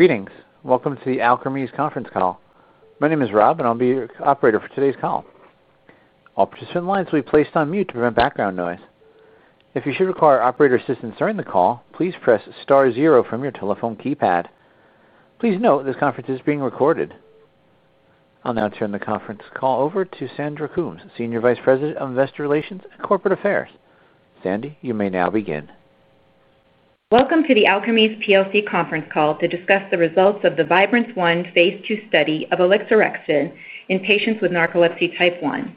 Greetings. Welcome to the Alkermes Conference Call. My name is Rob, and I'll be your operator for today's call. All participant lines will be placed on mute to prevent background noise. If you should require operator assistance during the call, please press star zero from your telephone keypad. Please note this conference is being recorded. I'll now turn the conference call over to Sandra Coombs, Senior Vice President of Investor Relations and Corporate Affairs. Sandy, you may now begin. Welcome to the Alkermes plc Conference Call to discuss the results of the Vibrance-1 Phase II study of alixorexton in patients with narcolepsy type 1.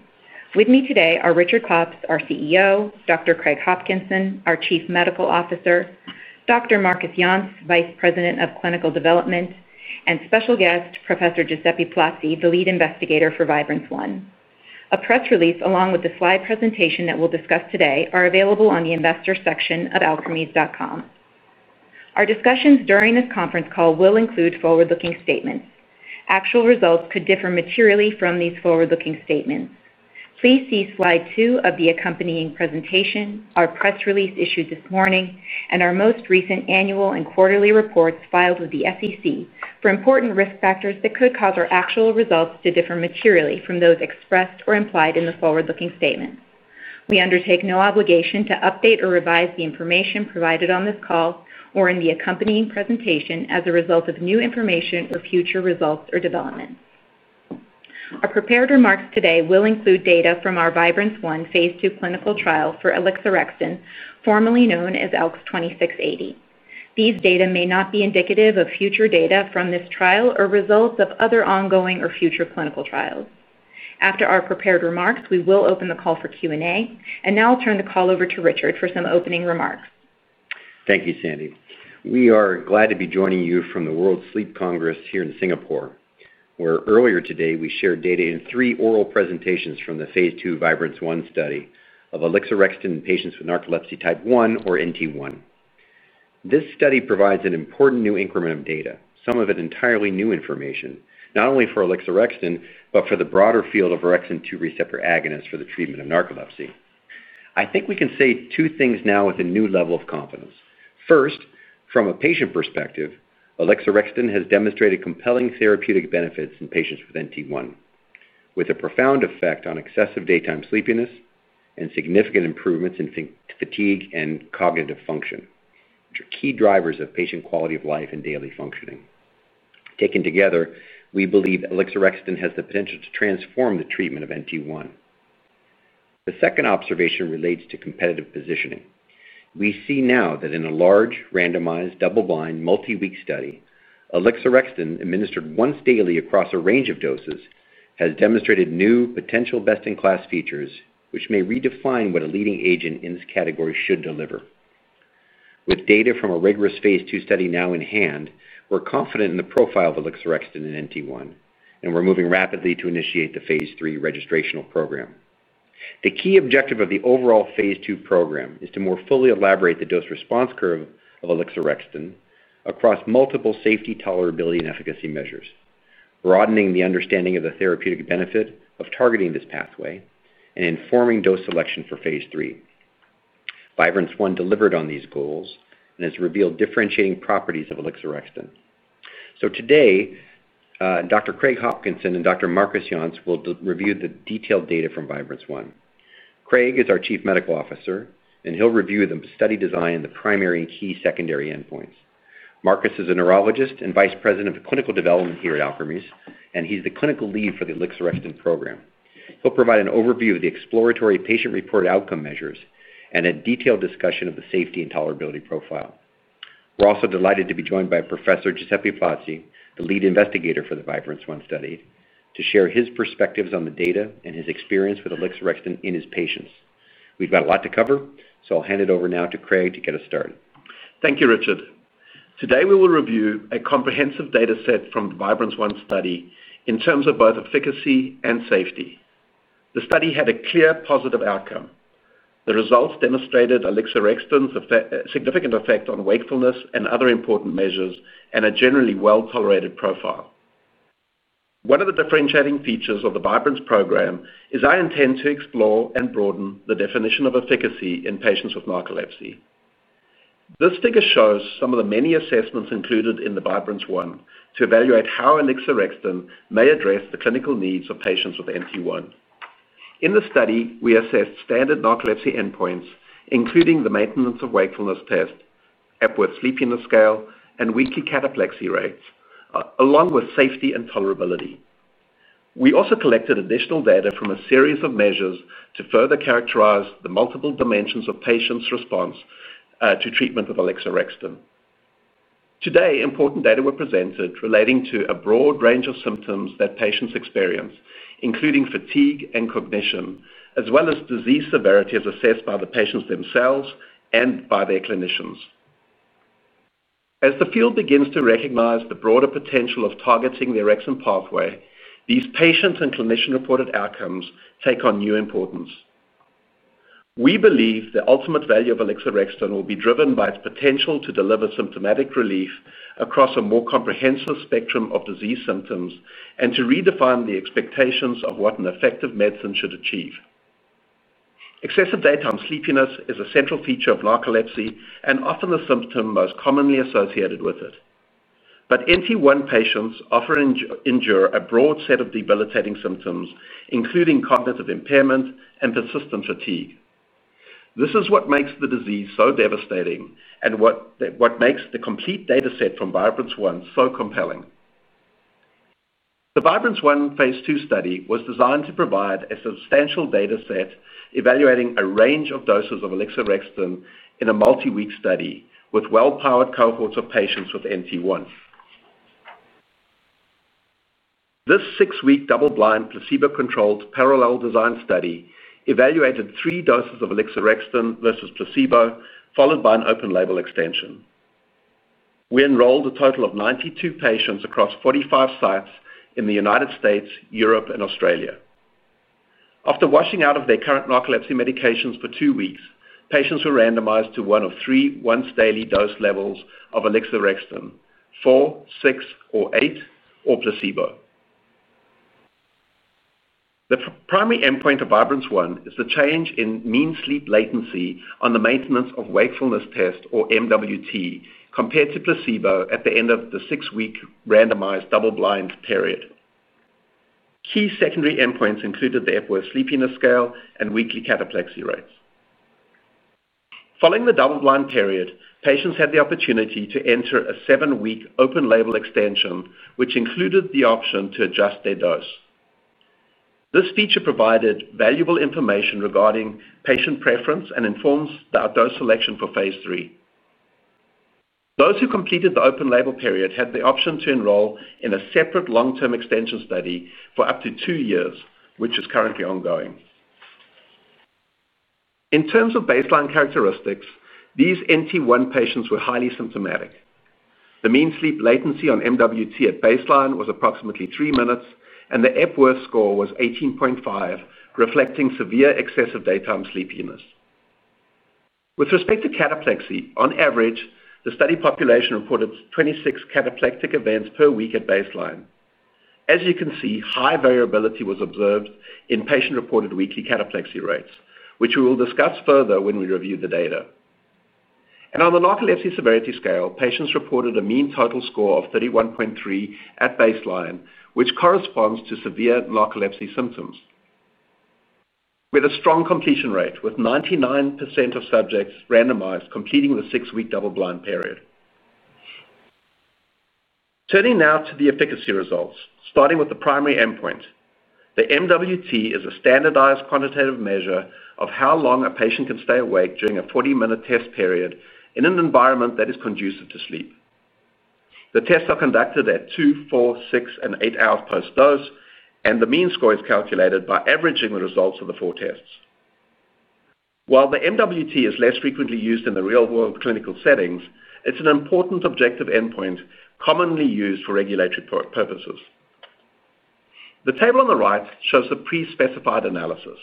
With me today are Richard Pops, our CEO, Dr. Craig Hopkinson, our Chief Medical Officer, Dr. Marcus Yountz, Vice President, Clinical Development, and special guest Professor Giuseppe Plazzi, the Lead Investigator for Vibrance-1. A press release, along with the slide presentation that we'll discuss today, is available on the investor section of Alkermes.com. Our discussions during this conference call will include forward-looking statements. Actual results could differ materially from these forward-looking statements. Please see Slide 2 of the accompanying presentation, our press release issued this morning, and our most recent annual and quarterly reports filed with the SEC for important risk factors that could cause our actual results to differ materially from those expressed or implied in the forward-looking statement. We undertake no obligation to update or revise the information provided on this call or in the accompanying presentation as a result of new information or future results or development. Our prepared remarks today will include data from our Vibrance-1 Phase II clinical trial for alixorexton, formerly known as ALKS 2680. These data may not be indicative of future data from this trial or results of other ongoing or future clinical trials. After our prepared remarks, we will open the call for Q&A. Now I'll turn the call over to Richard for some opening remarks. Thank you, Sandy. We are glad to be joining you from the World Sleep Congress here in Singapore, where earlier today we shared data in three oral presentations from the Phase II Vibrance-1 study of alixorexton in patients with narcolepsy type 1 or NT1. This study provides an important new increment of data, some of it entirely new information, not only for alixorexton, but for the broader field of orexin 2 receptor agonists for the treatment of narcolepsy. I think we can say two things now with a new level of confidence. First, from a patient perspective, alixorexton has demonstrated compelling therapeutic benefits in patients with NT1, with a profound effect on excessive daytime sleepiness and significant improvements in fatigue and cognitive function, key drivers of patient quality of life and daily functioning. Taken together, we believe alixorexton has the potential to transform the treatment of NT1. The second observation relates to competitive positioning. We see now that in a large randomized double-blind multi-week study, alixorexton administered once daily across a range of doses has demonstrated new potential best-in-class features, which may redefine what a leading agent in this category should deliver. With data from a rigorous Phase II study now in hand, we're confident in the profile of alixorexton in NT1, and we're moving rapidly to initiate the Phase III registrational program. The key objective of the overall Phase II program is to more fully elaborate the dose response curve of alixorexton across multiple safety, tolerability, and efficacy measures, broadening the understanding of the therapeutic benefit of targeting this pathway and informing dose selection for Phase III. Vibrance-1 delivered on these goals and has revealed differentiating properties of alixorexton. Today, Dr. Craig Hopkinson and Dr. Marcus Yountz will review the detailed data from Vibrance-1. Craig is our Chief Medical Officer, and he'll review the study design and the primary and key secondary endpoints. Markus is a neurologist and Vice President, Clinical Development here at Alkermes, and he's the clinical lead for the alixorexton program. He'll provide an overview of the exploratory patient-reported outcome measures and a detailed discussion of the safety and tolerability profile. We're also delighted to be joined by Professor Giuseppe Plazzi, the Lead Investigator for the Vibrance-1 study, to share his perspectives on the data and his experience with alixorexton in his patients. We've got a lot to cover, so I'll hand it over now to Craig to get us started. Thank you, Richard. Today we will review a comprehensive data set from the Vibrance-1 study in terms of both efficacy and safety. The study had a clear positive outcome. The results demonstrated alixorexton's significant effect on wakefulness and other important measures and a generally well-tolerated profile. One of the differentiating features of the Vibrance program is our intent to explore and broaden the definition of efficacy in patients with narcolepsy. This figure shows some of the many assessments included in the Vibrance-1 to evaluate how alixorexton may address the clinical needs of patients with NT1. In the study, we assessed standard narcolepsy endpoints, including the Maintenance of Wakefulness Test, Epworth Sleepiness Scale, and weekly cataplexy rates, along with safety and tolerability. We also collected additional data from a series of measures to further characterize the multiple dimensions of patients' response to treatment with alixorexton. Today, important data were presented relating to a broad range of symptoms that patients experience, including fatigue and cognition, as well as disease severity as assessed by the patients themselves and by their clinicians. As the field begins to recognize the broader potential of targeting the orexin pathway, these patient and clinician-reported outcomes take on new importance. We believe the ultimate value of alixorexton will be driven by its potential to deliver symptomatic relief across a more comprehensive spectrum of disease symptoms and to redefine the expectations of what an effective medicine should achieve. Excessive daytime sleepiness is a central feature of narcolepsy and often the symptom most commonly associated with it. NT1 patients often endure a broad set of debilitating symptoms, including cognitive impairment and persistent fatigue. This is what makes the disease so devastating and what makes the complete data set from Vibrance-1 so compelling. The Vibrance-1 Phase II study was designed to provide a substantial data set evaluating a range of doses of alixorexton in a multi-week study with well-powered cohorts of patients with NT1. This six-week double-blind placebo-controlled parallel design study evaluated three doses of alixorexton versus placebo, followed by an open-label extension. We enrolled a total of 92 patients across 45 sites in the U.S., Europe, and Australia. After washing out of their current narcolepsy medications for two weeks, patients were randomized to one of three once-daily dose levels of alixorexton: four, six, or eight, or placebo. The primary endpoint of Vibrance-1 is the change in mean sleep latency on the Maintenance of Wakefulness Test, or MWT, compared to placebo at the end of the six-week randomized double-blind period. Key secondary endpoints included the Epworth Sleepiness Scale and weekly cataplexy rates. Following the double-blind period, patients had the opportunity to enter a seven-week open-label extension, which included the option to adjust their dose. This feature provided valuable information regarding patient preference and informs our dose selection for Phase III. Those who completed the open-label period had the option to enroll in a separate long-term extension study for up to two years, which is currently ongoing. In terms of baseline characteristics, these NT1 patients were highly symptomatic. The mean sleep latency on MWT at baseline was approximately three minutes, and the Epworth score was 18.5, reflecting severe excessive daytime sleepiness. With respect to cataplexy, on average, the study population reported 26 cataplectic events per week at baseline. As you can see, high variability was observed in patient-reported weekly cataplexy rates, which we will discuss further when we review the data. On the Narcolepsy Severity Scale, patients reported a mean total score of 31.3 at baseline, which corresponds to severe narcolepsy symptoms, with a strong completion rate with 99% of subjects randomized completing the six-week double-blind period. Turning now to the efficacy results, starting with the primary endpoint, the MWT is a standardized quantitative measure of how long a patient can stay awake during a 40-minute test period in an environment that is conducive to sleep. The tests are conducted at two, four, six, and eight hours post-dose, and the mean score is calculated by averaging the results of the four tests. While the MWT is less frequently used in real-world clinical settings, it's an important objective endpoint commonly used for regulatory purposes. The table on the right shows the pre-specified analysis.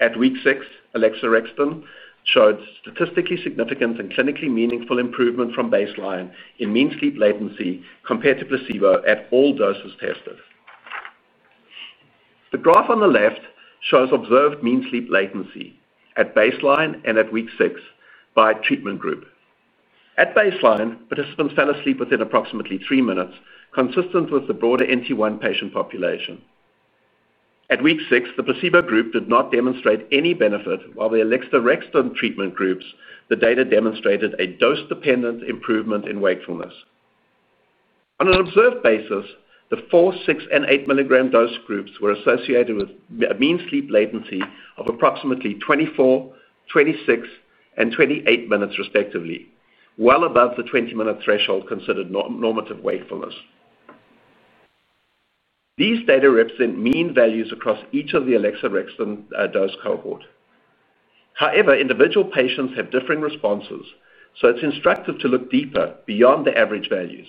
At week 6, alixorexton showed statistically significant and clinically meaningful improvement from baseline in mean sleep latency compared to placebo at all doses tested. The graph on the left shows observed mean sleep latency at baseline and at week 6 by treatment group. At baseline, participants fell asleep within approximately three minutes, consistent with the broader NT1 patient population. At week 6, the placebo group did not demonstrate any benefit, while the alixorexton treatment groups, the data demonstrated a dose-dependent improvement in wakefulness. On an observed basis, the 4, 6, and 8 mg dose groups were associated with a mean sleep latency of approximately 24, 26, and 28 minutes, respectively, well above the 20-minute threshold considered normative wakefulness. These data represent mean values across each of the alixorexton dose cohort. However, individual patients have differing responses, so it's instructive to look deeper beyond the average values.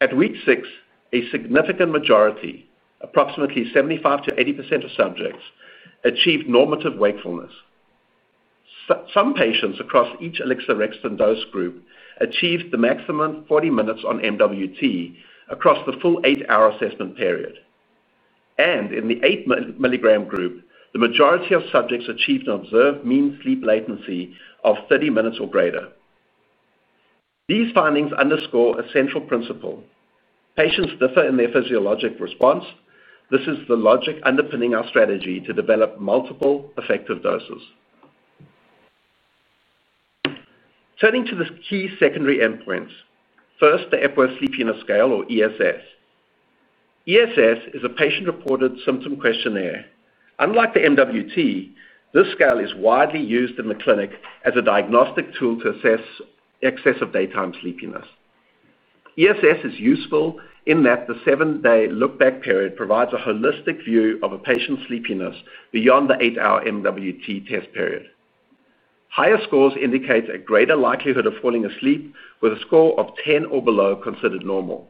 At week 6, a significant majority, approximately 75%-80% of subjects, achieved normative wakefulness. Some patients across each alixorexton dose group achieved the maximum 40 minutes on MWT across the full eight-hour assessment period. In the 8 mg group, the majority of subjects achieved an observed mean sleep latency of 30 minutes or greater. These findings underscore a central principle: patients differ in their physiologic response. This is the logic underpinning our strategy to develop multiple effective doses. Turning to the key secondary endpoints, first, the Epworth Sleepiness Scale, or ESS. ESS is a patient-reported symptom questionnaire. Unlike the MWT, this scale is widely used in the clinic as a diagnostic tool to assess excessive daytime sleepiness. ESS is useful in that the seven-day look-back period provides a holistic view of a patient's sleepiness beyond the eight-hour MWT test period. Higher scores indicate a greater likelihood of falling asleep, with a score of 10 or below considered normal.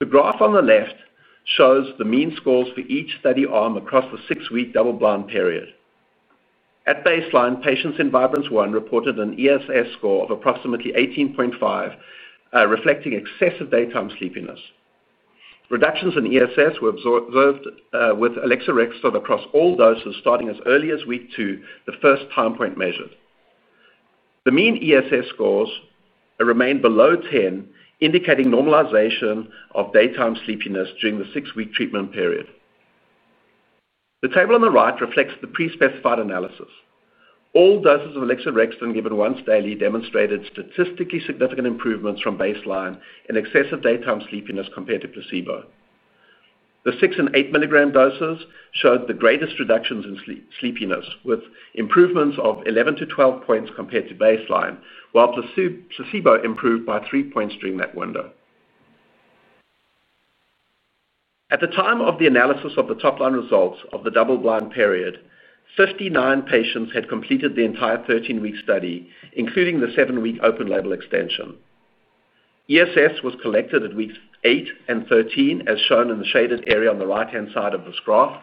The graph on the left shows the mean scores for each study arm across the six-week double-blind period. At baseline, patients in Vibrance-1 reported an ESS score of approximately 18.5, reflecting excessive daytime sleepiness. Reductions in ESS were observed with alixorexton across all doses, starting as early as week 2, the first time point measured. The mean ESS scores remain below 10, indicating normalization of daytime sleepiness during the six-week treatment period. The table on the right reflects the pre-specified analysis. All doses of alixorexton given once daily demonstrated statistically significant improvements from baseline in excessive daytime sleepiness compared to placebo. The 6 and 8 mg doses showed the greatest reductions in sleepiness, with improvements of 11-12 points compared to baseline, while placebo improved by 3 points during that window. At the time of the analysis of the top-line results of the double-blind period, 59 patients had completed the entire 13-week study, including the 7-week open-label extension. ESS was collected at weeks 8 and 13, as shown in the shaded area on the right-hand side of this graph.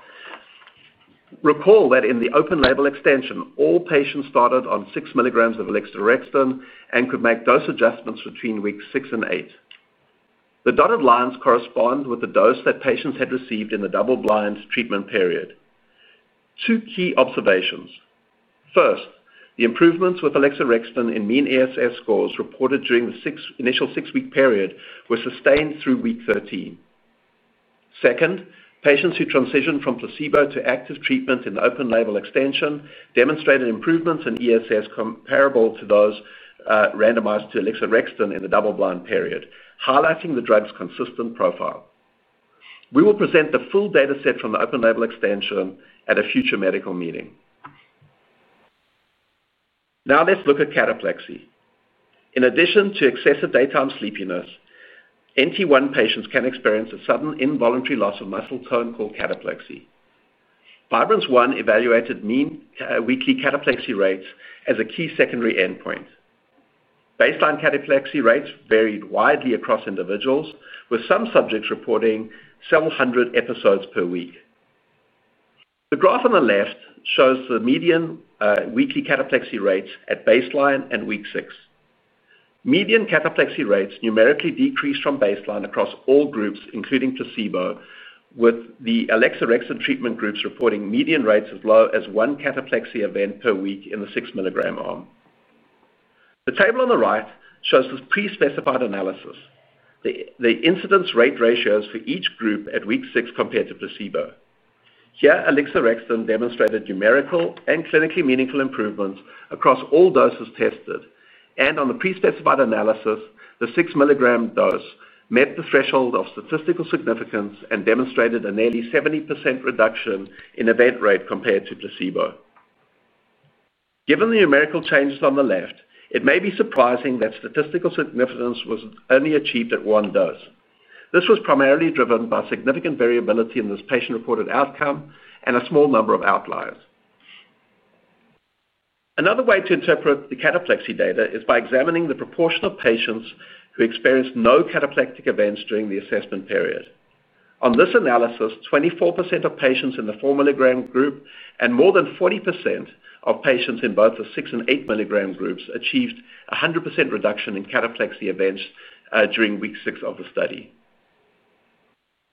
Recall that in the open-label extension, all patients started on 6 mg of alixorexton and could make dose adjustments between weeks 6 and 8. The dotted lines correspond with the dose that patients had received in the double-blind treatment period. Two key observations: first, the improvements with alixorexton in mean ESS scores reported during the initial 6-week period were sustained through week 13. Second, patients who transitioned from placebo to active treatment in the open-label extension demonstrated improvements in ESS comparable to those randomized to alixorexton in the double-blind period, highlighting the drug's consistent profile. We will present the full data set from the open-label extension at a future medical meeting. Now let's look at cataplexy. In addition to excessive daytime sleepiness, NT1 patients can experience a sudden involuntary loss of muscle tone called cataplexy. Vibrance-1 evaluated mean weekly cataplexy rates as a key secondary endpoint. Baseline cataplexy rates varied widely across individuals, with some subjects reporting several hundred episodes per week. The graph on the left shows the median weekly cataplexy rates at baseline and week 6. Median cataplexy rates numerically decreased from baseline across all groups, including placebo, with the alixorexton treatment groups reporting median rates as low as 1 cataplexy event per week in the 6 mg arm. The table on the right shows the pre-specified analysis, the incidence-rate ratios for each group at week 6 compared to placebo. Here, alixorexton demonstrated numerical and clinically meaningful improvements across all doses tested. On the pre-specified analysis, the 6 mg dose met the threshold of statistical significance and demonstrated a nearly 70% reduction in event rate compared to placebo. Given the numerical changes on the left, it may be surprising that statistical significance was only achieved at one dose. This was primarily driven by significant variability in this patient-reported outcome and a small number of outliers. Another way to interpret the cataplexy data is by examining the proportion of patients who experienced no cataplectic events during the assessment period. On this analysis, 24% of patients in the 4 mg group and more than 40% of patients in both the 6 and 8 mg groups achieved a 100% reduction in cataplexy events during week 6 of the study.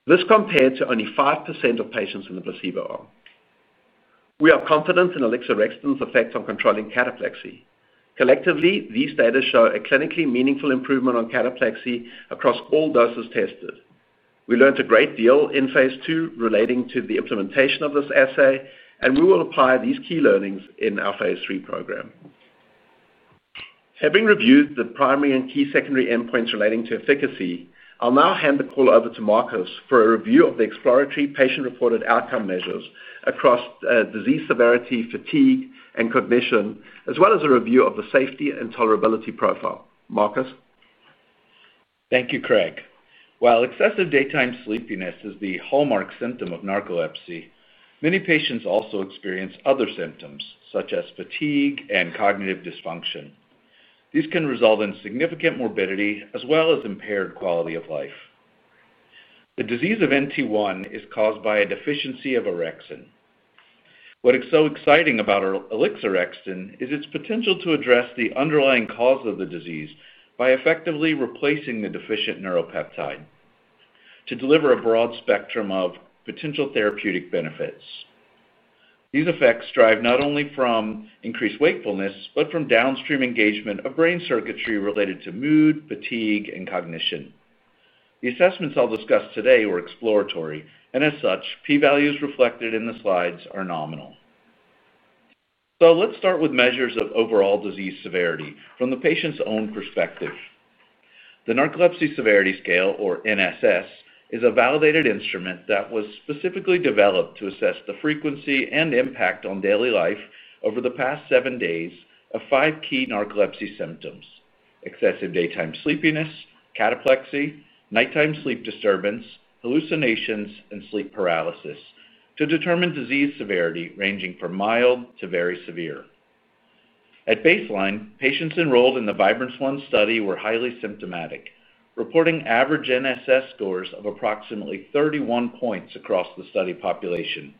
This compared to only 5% of patients in the placebo arm. We are confident in alixorexton's effects on controlling cataplexy. Collectively, these data show a clinically meaningful improvement on cataplexy across all doses tested. We learned a great deal in Phase II relating to the implementation of this assay, and we will apply these key learnings in our Phase III program. Having reviewed the primary and key secondary endpoints relating to efficacy, I'll now hand the call over to Markus for a review of the exploratory patient-reported outcome measures across disease severity, fatigue, and cognition, as well as a review of the safety and tolerability profile. Markus? Thank you, Craig. While excessive daytime sleepiness is the hallmark symptom of narcolepsy, many patients also experience other symptoms, such as fatigue and cognitive dysfunction. These can result in significant morbidity, as well as impaired quality of life. The disease of narcolepsy type 1 (NT1) is caused by a deficiency of orexin. What is so exciting about alixorexton is its potential to address the underlying cause of the disease by effectively replacing the deficient neuropeptide to deliver a broad spectrum of potential therapeutic benefits. These effects derive not only from increased wakefulness, but from downstream engagement of brain circuitry related to mood, fatigue, and cognition. The assessments I'll discuss today were exploratory, and as such, p-values reflected in the slides are nominal. Let's start with measures of overall disease severity from the patient's own perspective. The Narcolepsy Severity Scale, or NSS, is a validated instrument that was specifically developed to assess the frequency and impact on daily life over the past seven days of five key narcolepsy symptoms: excessive daytime sleepiness, cataplexy, nighttime sleep disturbance, hallucinations, and sleep paralysis to determine disease severity ranging from mild to very severe. At baseline, patients enrolled in the Vibrance-1 study were highly symptomatic, reporting average NSS scores of approximately 31 points across the study population,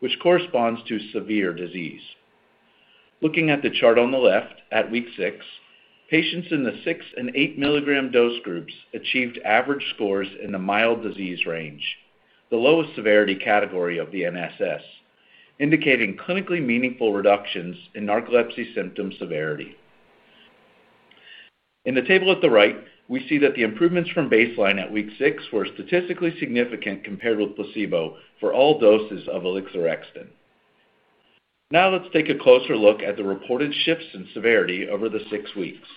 which corresponds to severe disease. Looking at the chart on the left, at week 6, patients in the 6 and 8 mg dose groups achieved average scores in the mild disease range, the lowest severity category of the NSS, indicating clinically meaningful reductions in narcolepsy symptom severity. In the table at the right, we see that the improvements from baseline at week 6 were statistically significant compared with placebo for all doses of alixorexton. Now let's take a closer look at the reported shifts in severity over the six weeks.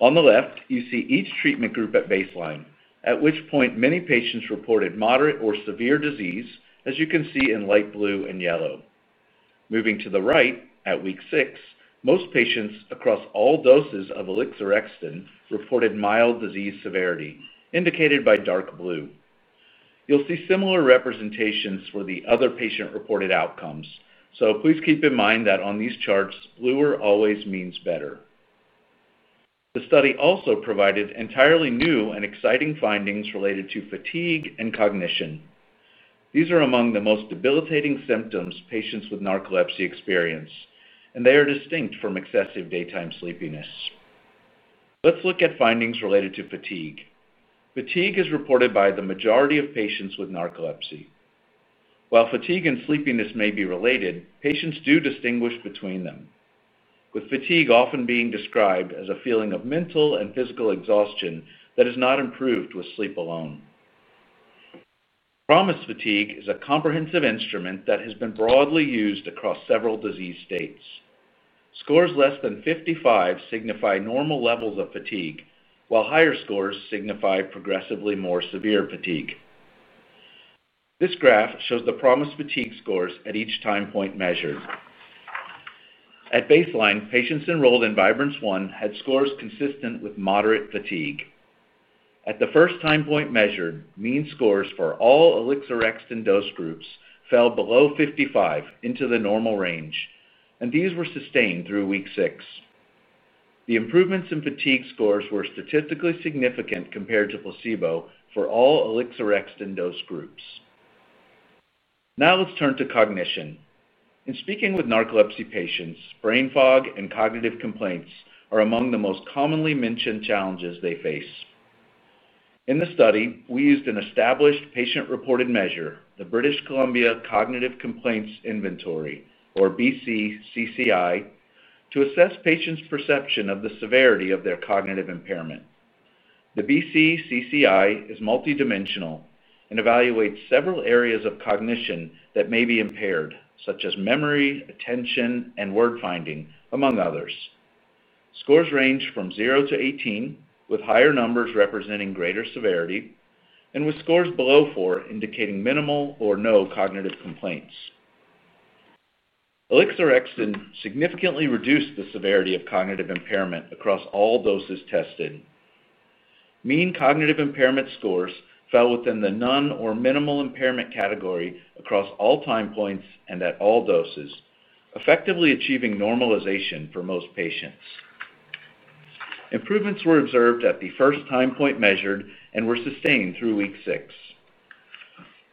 On the left, you see each treatment group at baseline, at which point many patients reported moderate or severe disease, as you can see in light blue and yellow. Moving to the right, at week 6, most patients across all doses of alixorexton reported mild disease severity, indicated by dark blue. You'll see similar representations for the other patient-reported outcomes, so please keep in mind that on these charts, bluer always means better. The study also provided entirely new and exciting findings related to fatigue and cognition. These are among the most debilitating symptoms patients with narcolepsy experience, and they are distinct from excessive daytime sleepiness. Let's look at findings related to fatigue. Fatigue is reported by the majority of patients with narcolepsy. While fatigue and sleepiness may be related, patients do distinguish between them, with fatigue often being described as a feeling of mental and physical exhaustion that is not improved with sleep alone. PROMIS-Fatigue is a comprehensive instrument that has been broadly used across several disease states. Scores less than 55 signify normal levels of fatigue, while higher scores signify progressively more severe fatigue. This graph shows the PROMIS-Fatigue scores at each time point measured. At baseline, patients enrolled in Vibrance-1 had scores consistent with moderate fatigue. At the first time point measured, mean scores for all alixorexton dose groups fell below 55 into the normal range, and these were sustained through week 6. The improvements in fatigue scores were statistically significant compared to placebo for all alixorexton dose groups. Now let's turn to cognition. In speaking with narcolepsy patients, brain fog and cognitive complaints are among the most commonly mentioned challenges they face. In the study, we used an established patient-reported measure, the British Columbia Cognitive Complaints Inventory, or BC-CCI, to assess patients' perception of the severity of their cognitive impairment. The BC-CCI is multidimensional and evaluates several areas of cognition that may be impaired, such as memory, attention, and word finding, among others. Scores range from 0-18, with higher numbers representing greater severity and with scores below 4 indicating minimal or no cognitive complaints. Alixorexton significantly reduced the severity of cognitive impairment across all doses tested. Mean cognitive impairment scores fell within the none or minimal impairment category across all time points and at all doses, effectively achieving normalization for most patients. Improvements were observed at the first time point measured and were sustained through week 6.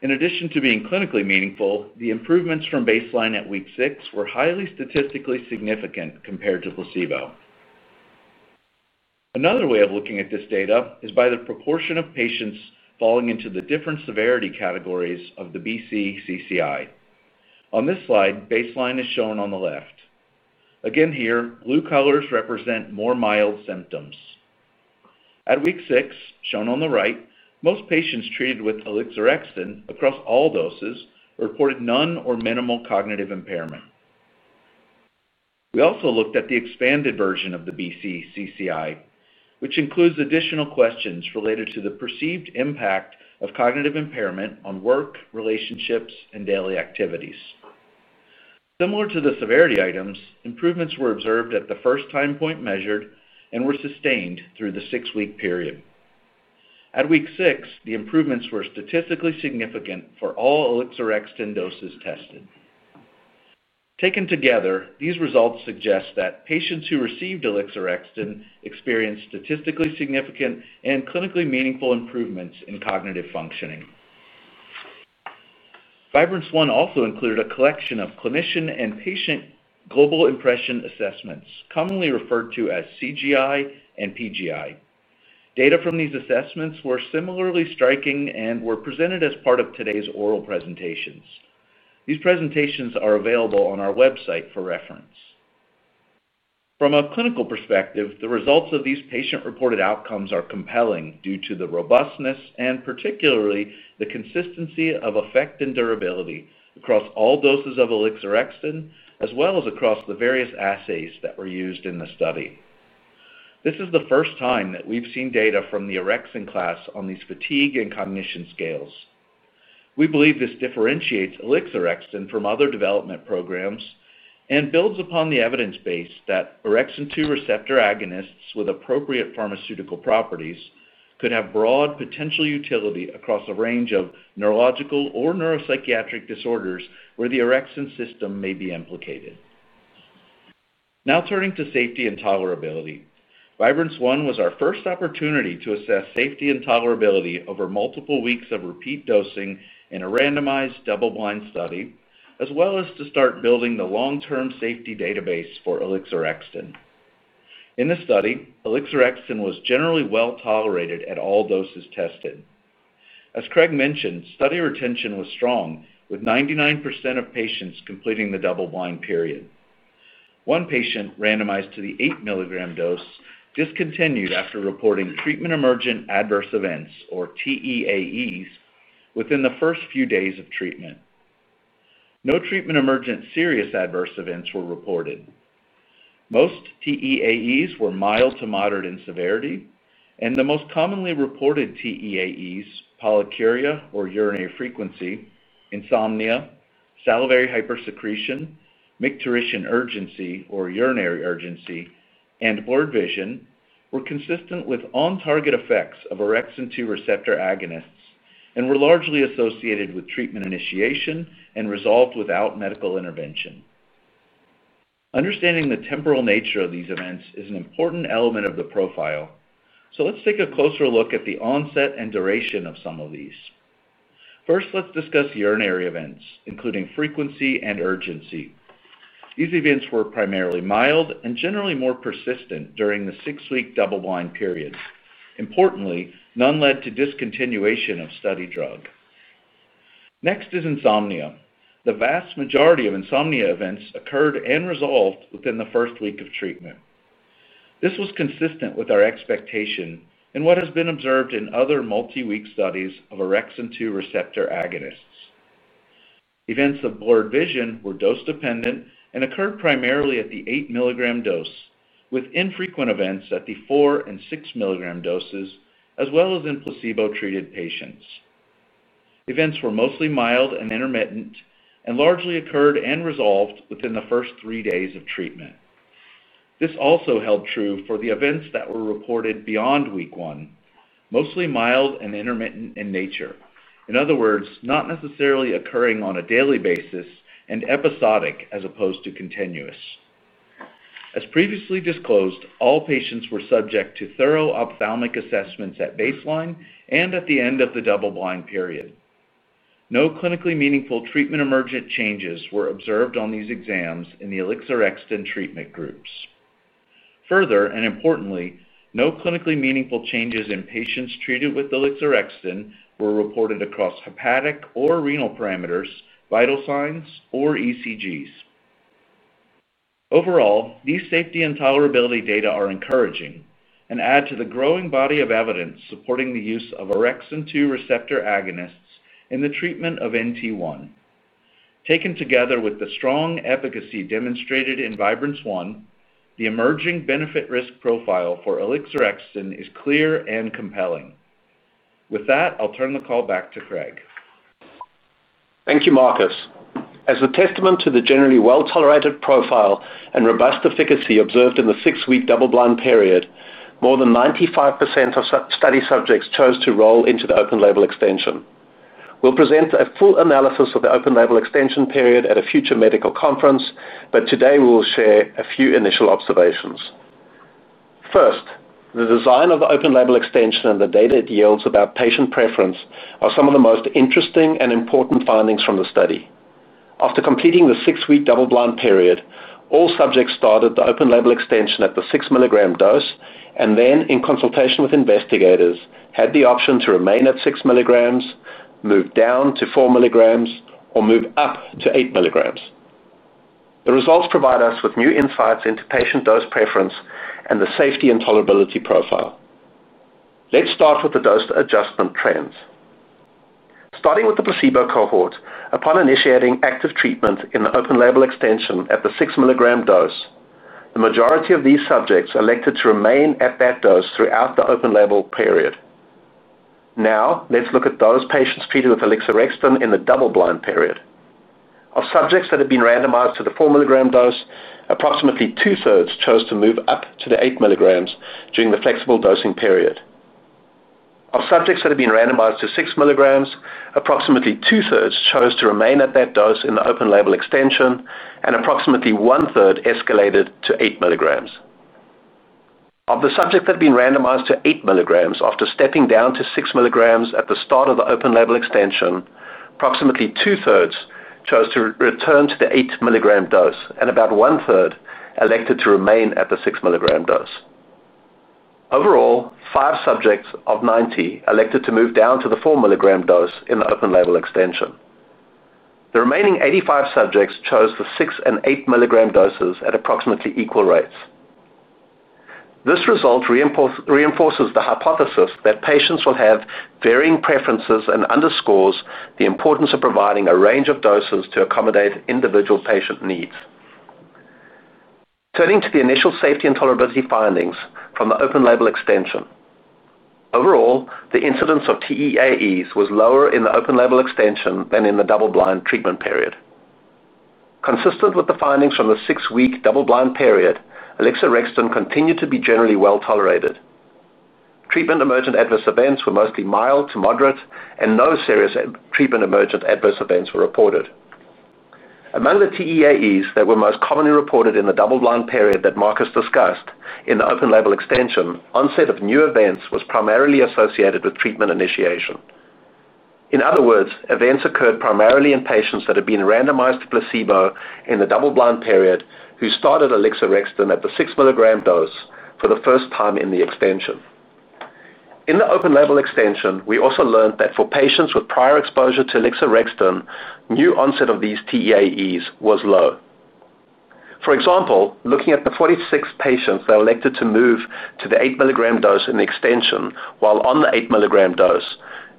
In addition to being clinically meaningful, the improvements from baseline at week 6 were highly statistically significant compared to placebo. Another way of looking at this data is by the proportion of patients falling into the different severity categories of the BC-CCI. On this slide, baseline is shown on the left. Again here, blue colors represent more mild symptoms. At week 6, shown on the right, most patients treated with alixorexton across all doses reported none or minimal cognitive impairment. We also looked at the expanded version of the BC-CCI, which includes additional questions related to the perceived impact of cognitive impairment on work, relationships, and daily activities. Similar to the severity items, improvements were observed at the first time point measured and were sustained through the six-week period. At week 6, the improvements were statistically significant for all alixorexton doses tested. Taken together, these results suggest that patients who received alixorexton experienced statistically significant and clinically meaningful improvements in cognitive functioning. Vibrance-1 also included a collection of clinician and patient global impression assessments, commonly referred to as CGI and PGI. Data from these assessments were similarly striking and were presented as part of today's oral presentations. These presentations are available on our website for reference. From a clinical perspective, the results of these patient-reported outcomes are compelling due to the robustness and particularly the consistency of effect and durability across all doses of alixorexton, as well as across the various assays that were used in the study. This is the first time that we've seen data from the orexin class on these fatigue and cognition scales. We believe this differentiates alixorexton from other development programs and builds upon the evidence base that orexin 2 receptor agonists with appropriate pharmaceutical properties could have broad potential utility across a range of neurological or neuropsychiatric disorders where the orexin system may be implicated. Now turning to safety and tolerability, Vibrance-1 was our first opportunity to assess safety and tolerability over multiple weeks of repeat dosing in a randomized double-blind study, as well as to start building the long-term safety database for alixorexton. In this study, alixorexton was generally well tolerated at all doses tested. As Craig mentioned, study retention was strong, with 99% of patients completing the double-blind period. One patient randomized to the 8 mg dose discontinued after reporting treatment-emergent adverse events, or TEAEs, within the first few days of treatment. No treatment-emergent serious adverse events were reported. Most TEAEs were mild to moderate in severity, and the most commonly reported TEAEs—pollakiuria or urinary frequency, insomnia, salivary hypersecretion, micturition urgency or urinary urgency, and blurred vision—were consistent with on-target effects of orexin 2 receptor agonists and were largely associated with treatment initiation and resolved without medical intervention. Understanding the temporal nature of these events is an important element of the profile, so let's take a closer look at the onset and duration of some of these. First, let's discuss urinary events, including frequency and urgency. These events were primarily mild and generally more persistent during the 6-week double-blind period. Importantly, none led to discontinuation of study drug. Next is insomnia. The vast majority of insomnia events occurred and resolved within the first week of treatment. This was consistent with our expectation and what has been observed in other multi-week studies of orexin II receptor agonists. Events of blurred vision were dose-dependent and occurred primarily at the 8 mg dose, with infrequent events at the 4 and 6 mg doses, as well as in placebo-treated patients. Events were mostly mild and intermittent and largely occurred and resolved within the first 3 days of treatment. This also held true for the events that were reported beyond week 1, mostly mild and intermittent in nature, in other words, not necessarily occurring on a daily basis and episodic as opposed to continuous. As previously disclosed, all patients were subject to thorough ophthalmic assessments at baseline and at the end of the double-blind period. No clinically meaningful treatment-emergent changes were observed on these exams in the alixorexton treatment groups. Further and importantly, no clinically meaningful changes in patients treated with alixorexton were reported across hepatic or renal parameters, vital signs, or ECGs. Overall, these safety and tolerability data are encouraging and add to the growing body of evidence supporting the use of orexin II receptor agonists in the treatment of NT1. Taken together with the strong efficacy demonstrated in Vibrance-1, the emerging benefit-risk profile for alixorexton is clear and compelling. With that, I'll turn the call back to Craig. Thank you, Markus. As a testament to the generally well-tolerated profile and robust efficacy observed in the six-week double-blind period, more than 95% of study subjects chose to enroll into the open-label extension. We will present a full analysis of the open-label extension period at a future medical conference, but today we will share a few initial observations. First, the design of the open-label extension and the data it yields about patient preference are some of the most interesting and important findings from the study. After completing the six-week double-blind period, all subjects started the open-label extension at the 6 mg dose and then, in consultation with investigators, had the option to remain at 6 mg, move down to 4 mg, or move up to 8 mg. The results provide us with new insights into patient dose preference and the safety and tolerability profile. Let's start with the dose adjustment trends. Starting with the placebo cohort, upon initiating active treatment in the open-label extension at the 6 mg dose, the majority of these subjects elected to remain at that dose throughout the open-label period. Now let's look at those patients treated with alixorexton in the double-blind period. Of subjects that had been randomized to the 4 mg dose, approximately 2/3 chose to move up to the 8 mg during the flexible dosing period. Of subjects that had been randomized to 6 mg, approximately 2/3 chose to remain at that dose in the open-label extension, and approximately 1/3 escalated to 8 mg. Of the subjects that had been randomized to 8 mg after stepping down to 6 mg at the start of the open-label extension, approximately 2/3 chose to return to the 8 mg dose, and about 1/3 elected to remain at the 6 mg dose. Overall, five subjects of 90 elected to move down to the 4 mg dose in the open-label extension. The remaining 85 subjects chose the 6 and 8 mg doses at approximately equal rates. This result reinforces the hypothesis that patients will have varying preferences and underscores the importance of providing a range of doses to accommodate individual patient needs. Turning to the initial safety and tolerability findings from the open-label extension, overall, the incidence of TEAEs was lower in the open-label extension than in the double-blind treatment period. Consistent with the findings from the six-week double-blind period, alixorexton continued to be generally well tolerated. Treatment-emergent adverse events were mostly mild to moderate, and no serious treatment-emergent adverse events were reported. Among the TEAEs that were most commonly reported in the double-blind period that Markus discussed in the open-label extension, onset of new events was primarily associated with treatment initiation. In other words, events occurred primarily in patients that had been randomized to placebo in the double-blind period who started alixorexton at the 6 mg dose for the first time in the extension. In the open-label extension, we also learned that for patients with prior exposure to alixorexton, new onset of these TEAEs was low. For example, looking at the 46 patients that elected to move to the 8 mg dose in the extension, while on the 8 mg dose,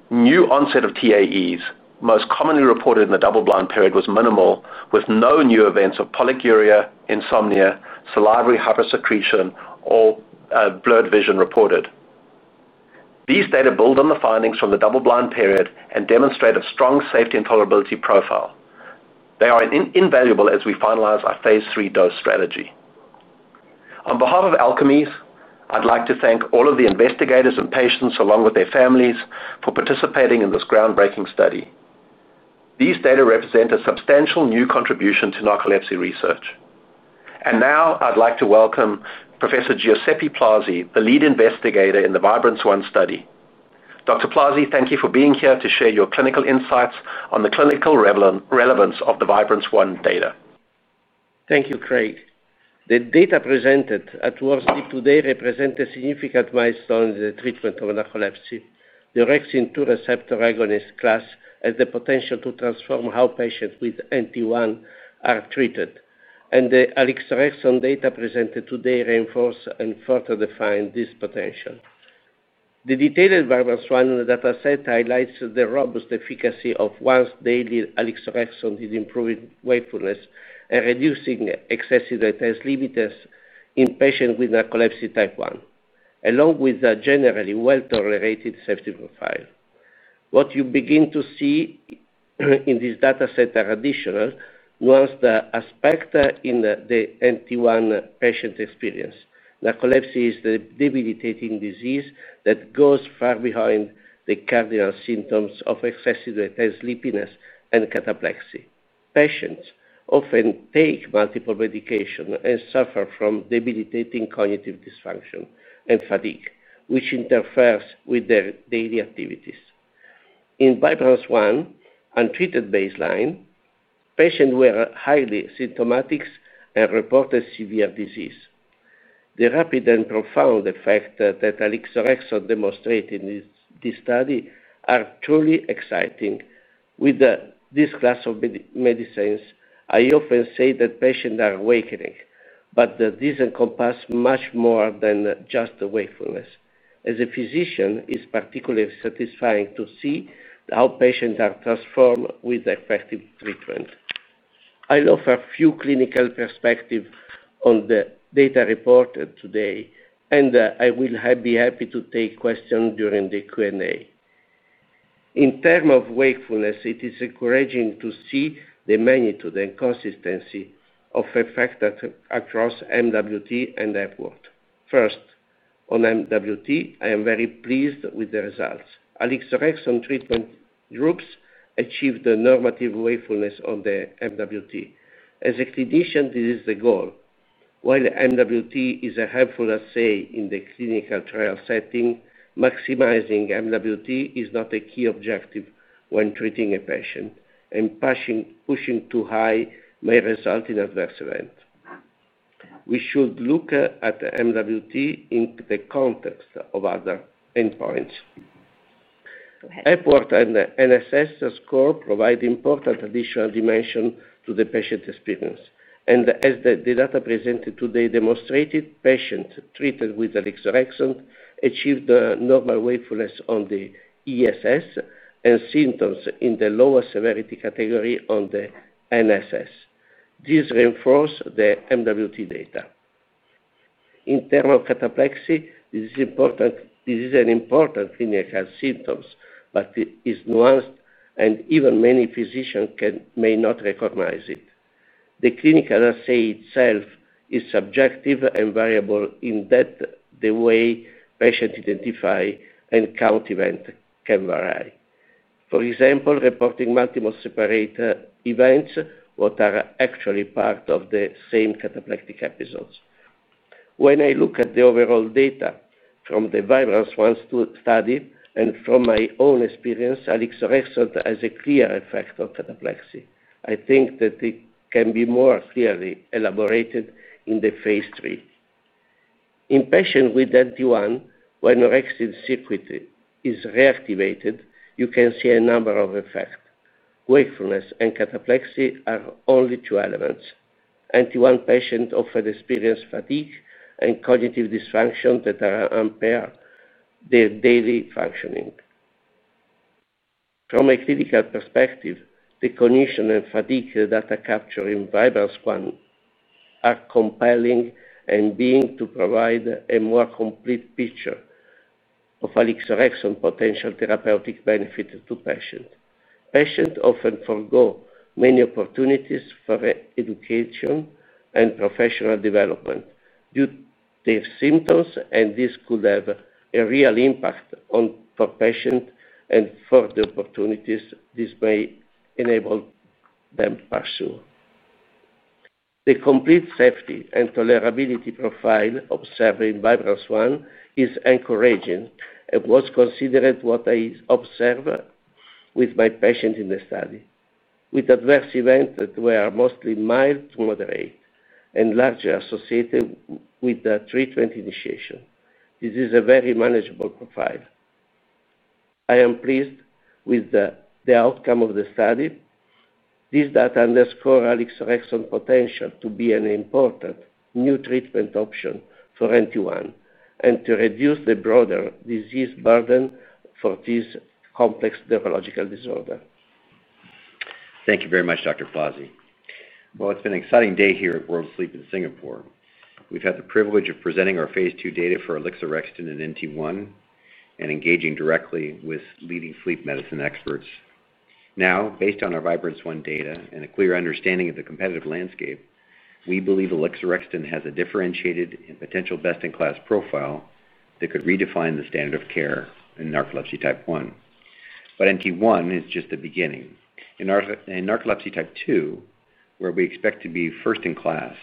new onset of TEAEs most commonly reported in the double-blind period was minimal, with no new events of pollakiuria, insomnia, salivary hypersecretion, or blurred vision reported. These data build on the findings from the double-blind period and demonstrate a strong safety and tolerability profile. They are invaluable as we finalize our Phase III dose strategy. On behalf of Alkermes plc, I'd like to thank all of the investigators and patients along with their families for participating in this groundbreaking study. These data represent a substantial new contribution to narcolepsy research. And now, I'd like to welcome Professor Giuseppe Plazzi, the lead investigator in the Vibrance-1 study. Dr. Plazzi, thank you for being here to share your clinical insights on the clinical relevance of the Vibrance-1 data. Thank you, Craig. The data presented at World Sleep today represent a significant milestone in the treatment of narcolepsy. The orexin 2 receptor agonist class has the potential to transform how patients with NT1 are treated, and the alixorexton data presented today reinforce and further define this potential. The detailed Vibrance-1 dataset highlights the robust efficacy of once-daily alixorexton in improving wakefulness and reducing excessive daytime sleepiness in patients with narcolepsy type 1, along with a generally well-tolerated safety profile. What you begin to see in this dataset are additional nuanced aspects in the NT1 patient experience. Narcolepsy is a debilitating disease that goes far beyond the cardinal symptoms of excessive daytime sleepiness and cataplexy. Patients often take multiple medications and suffer from debilitating cognitive dysfunction and fatigue, which interferes with their daily activities. In Vibrance-1, untreated baseline, patients were highly symptomatic and reported severe disease. The rapid and profound effect that alixorexton demonstrated in this study is truly exciting. With this class of medicines, I often say that patients are awakening, but this encompasses much more than just wakefulness. As a physician, it's particularly satisfying to see how patients are transformed with effective treatment. I'll offer a few clinical perspectives on the data reported today, and I will be happy to take questions during the Q&A. In terms of wakefulness, it is encouraging to see the magnitude and consistency of effect across MWT and Epworth. First, on MWT, I am very pleased with the results. Alixorexton treatment groups achieved a normative wakefulness on the MWT. As a clinician, this is the goal. While MWT is a helpful assay in the clinical trial setting, maximizing MWT is not a key objective when treating a patient, and pushing too high may result in adverse events. We should look at MWT in the context of other endpoints. Epworth and NSS scores provide an important additional dimension to the patient experience. As the data presented today demonstrated, patients treated with alixorexton achieved normal wakefulness on the ESS and symptoms in the lower severity category on the NSS. This reinforced the MWT data. In terms of cataplexy, this is an important clinical symptom, but it is nuanced, and even many physicians may not recognize it. The clinical assay itself is subjective and variable in that the way patients identify and count events can vary. For example, reporting multiple separate events, which are actually part of the same cataplexy episodes. When I look at the overall data from the Vibrance-1 study and from my own experience, alixorexton has a clear effect on cataplexy. I think that it can be more clearly elaborated in the Phase III. In patients with NT1, when orexin 2 is reactivated, you can see a number of effects. Wakefulness and cataplexy are only two elements. NT1 patients often experience fatigue and cognitive dysfunction that impair their daily functioning. From a clinical perspective, the cognition and fatigue data captured in Vibrance-1 are compelling and aim to provide a more complete picture of alixorexton's potential therapeutic benefit to patients. Patients often forgo many opportunities for education and professional development due to their symptoms, and this could have a real impact on patients and further opportunities this may enable them to pursue. The complete safety and tolerability profile observed in Vibrance-1 is encouraging and was consistent with what I observed with my patients in the study, with adverse events that were mostly mild to moderate and largely associated with treatment initiation. This is a very manageable profile. I am pleased with the outcome of the study. This data underscores alixorexton's potential to be an important new treatment option for NT1 and to reduce the broader disease burden for this complex neurological disorder. Thank you very much, Professor Plazzi. It has been an exciting day here at World Sleep in Singapore. We've had the privilege of presenting our Phase II data for alixorexton in NT1 and engaging directly with leading sleep medicine experts. Now, based on our Vibrance-1 data and a clear understanding of the competitive landscape, we believe alixorexton has a differentiated and potential best-in-class profile that could redefine the standard of care in narcolepsy type 1. NT1 is just the beginning. In narcolepsy type 2, where we expect to be first in class,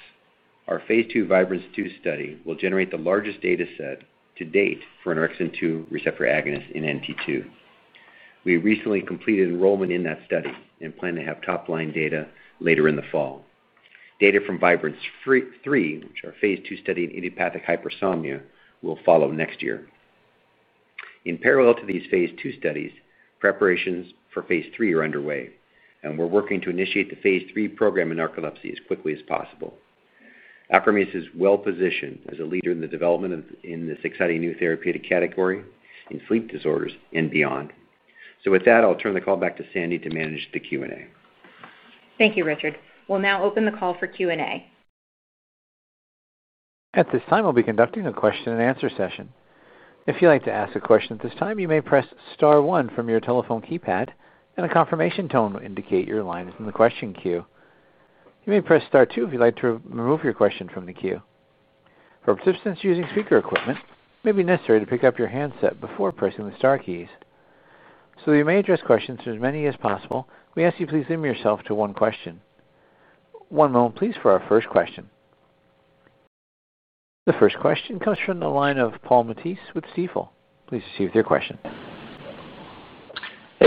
our Phase II Vibrance-2 study will generate the largest dataset to date for an orexin 2 receptor agonist in NT2. We recently completed enrollment in that study and plan to have top-line data later in the fall. Data from Vibrance-3, which is our Phase II study in idiopathic hypersomnia, will follow next year. In parallel to these Phase II studies, preparations for Phase III are underway, and we're working to initiate the Phase III program in narcolepsy as quickly as possible. Alkermes plc is well positioned as a leader in the development in this exciting new therapeutic category in sleep disorders and beyond. With that, I'll turn the call back to Sandy to manage the Q&A. Thank you, Richard. We'll now open the call for Q&A. At this time, we'll be conducting a question and answer session. If you'd like to ask a question at this time, you may press star one from your telephone keypad, and a confirmation tone will indicate your line is in the question queue. You may press star two if you'd like to remove your question from the queue. For participants using speaker equipment, it may be necessary to pick up your handset before pressing the star keys. You may address questions to as many as possible. We ask you to please limit yourself to one question. One moment, please, for our first question. The first question comes from the line of Paul Matisse with Stifel. Please proceed with your question.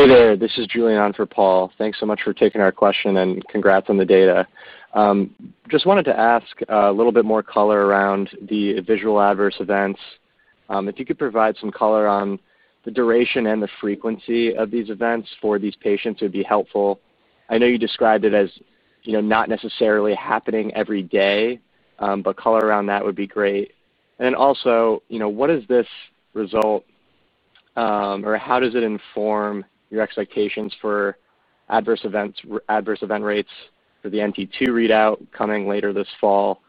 Hey there. This is Julian on for Paul. Thanks so much for taking our question and congrats on the data. Just wanted to ask a little bit more color around the visual adverse events. If you could provide some color on the duration and the frequency of these events for these patients, it would be helpful. I know you described it as not necessarily happening every day, but color around that would be great. Also, you know, what does this result or how does it inform your expectations for adverse event rates for the NT2 readout coming later this fall?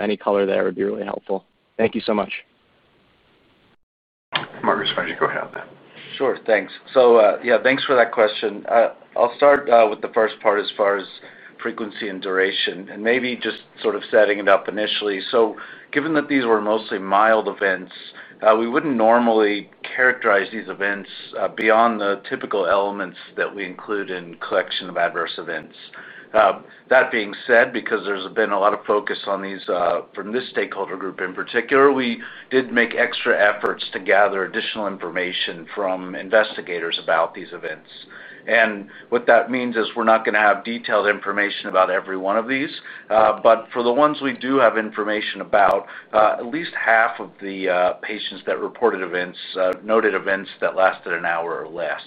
Any color there would be really helpful. Thank you so much. Markus, why don't you go ahead on that? Sure. Thanks. Thanks for that question. I'll start with the first part as far as frequency and duration and maybe just sort of setting it up initially. Given that these were mostly mild events, we wouldn't normally characterize these events beyond the typical elements that we include in the collection of adverse events. That being said, because there's been a lot of focus on these from this stakeholder group in particular, we did make extra efforts to gather additional information from investigators about these events. What that means is we're not going to have detailed information about every one of these, but for the ones we do have information about, at least half of the patients that reported events noted events that lasted an hour or less.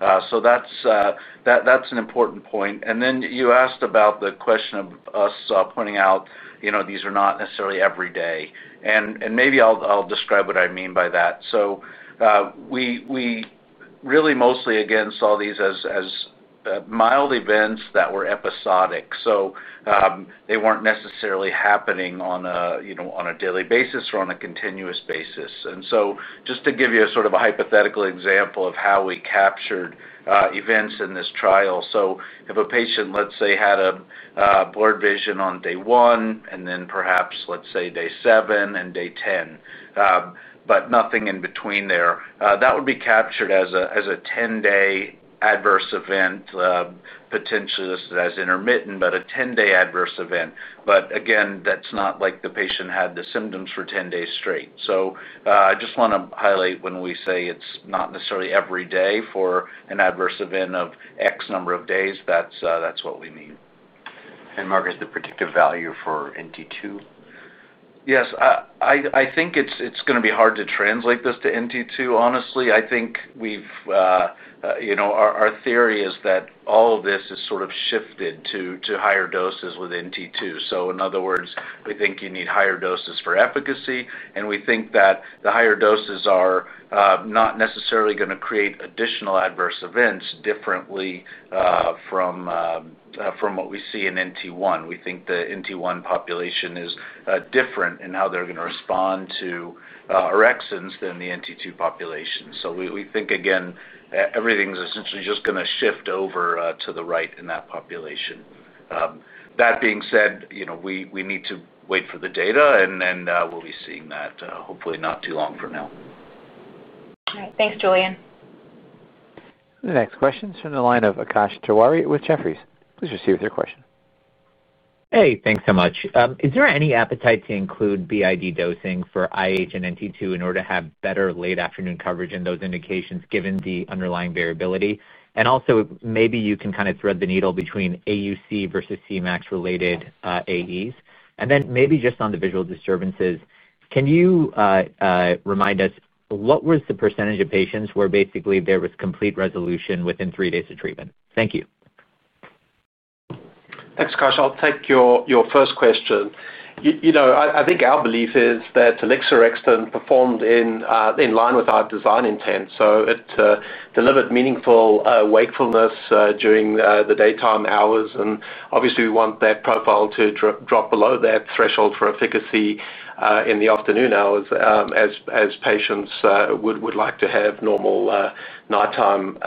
That's an important point. You asked about the question of us pointing out, you know, these are not necessarily every day. Maybe I'll describe what I mean by that. We really mostly, again, saw these as mild events that were episodic. They weren't necessarily happening on a daily basis or on a continuous basis. Just to give you a sort of a hypothetical example of how we captured events in this trial, if a patient, let's say, had a blurred vision on day one and then perhaps, let's say, day seven and day 10, but nothing in between there, that would be captured as a 10-day adverse event, potentially listed as intermittent, but a 10-day adverse event. Again, that's not like the patient had the symptoms for 10 days straight. I just want to highlight when we say it's not necessarily every day for an adverse event of X number of days, that's what we mean. Markus, the predictive value for NT2? Yes. I think it's going to be hard to translate this to NT2, honestly. I think our theory is that all of this is sort of shifted to higher doses with NT2. In other words, we think you need higher doses for efficacy, and we think that the higher doses are not necessarily going to create additional adverse events differently from what we see in NT1. We think the NT1 population is different in how they're going to respond to orexin than the NT2 population. We think, again, everything's essentially just going to shift over to the right in that population. That being said, we need to wait for the data, and we'll be seeing that hopefully not too long from now. All right. Thanks, Julian. The next question is from the line of Akash Tewari with Jefferies. Please proceed with your question. Thank you so much. Is there any appetite to include BID dosing for idiopathic hypersomnia and narcolepsy type 2 in order to have better late afternoon coverage in those indications given the underlying variability? Also, maybe you can kind of thread the needle between AUC versus Cmax-related AEs. Maybe just on the visual disturbances, can you remind us what was the percentage of patients where basically there was complete resolution within three days of treatment? Thank you. Thanks, Akash. I'll take your first question. I think our belief is that alixorexton performed in line with our design intent, so it delivered meaningful wakefulness during the daytime hours. Obviously, we want that profile to drop below that threshold for efficacy in the afternoon hours as patients would like to have normal nighttime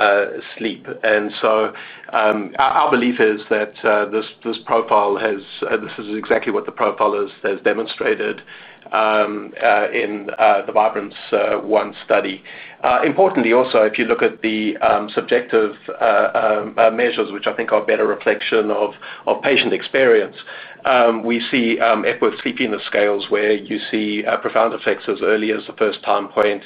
sleep. Our belief is that this profile has, this is exactly what the profile has demonstrated in the Vibrance-1 study. Importantly also, if you look at the subjective measures, which I think are a better reflection of patient experience, we see Epworth Sleepiness Scales where you see profound effects as early as the first time point.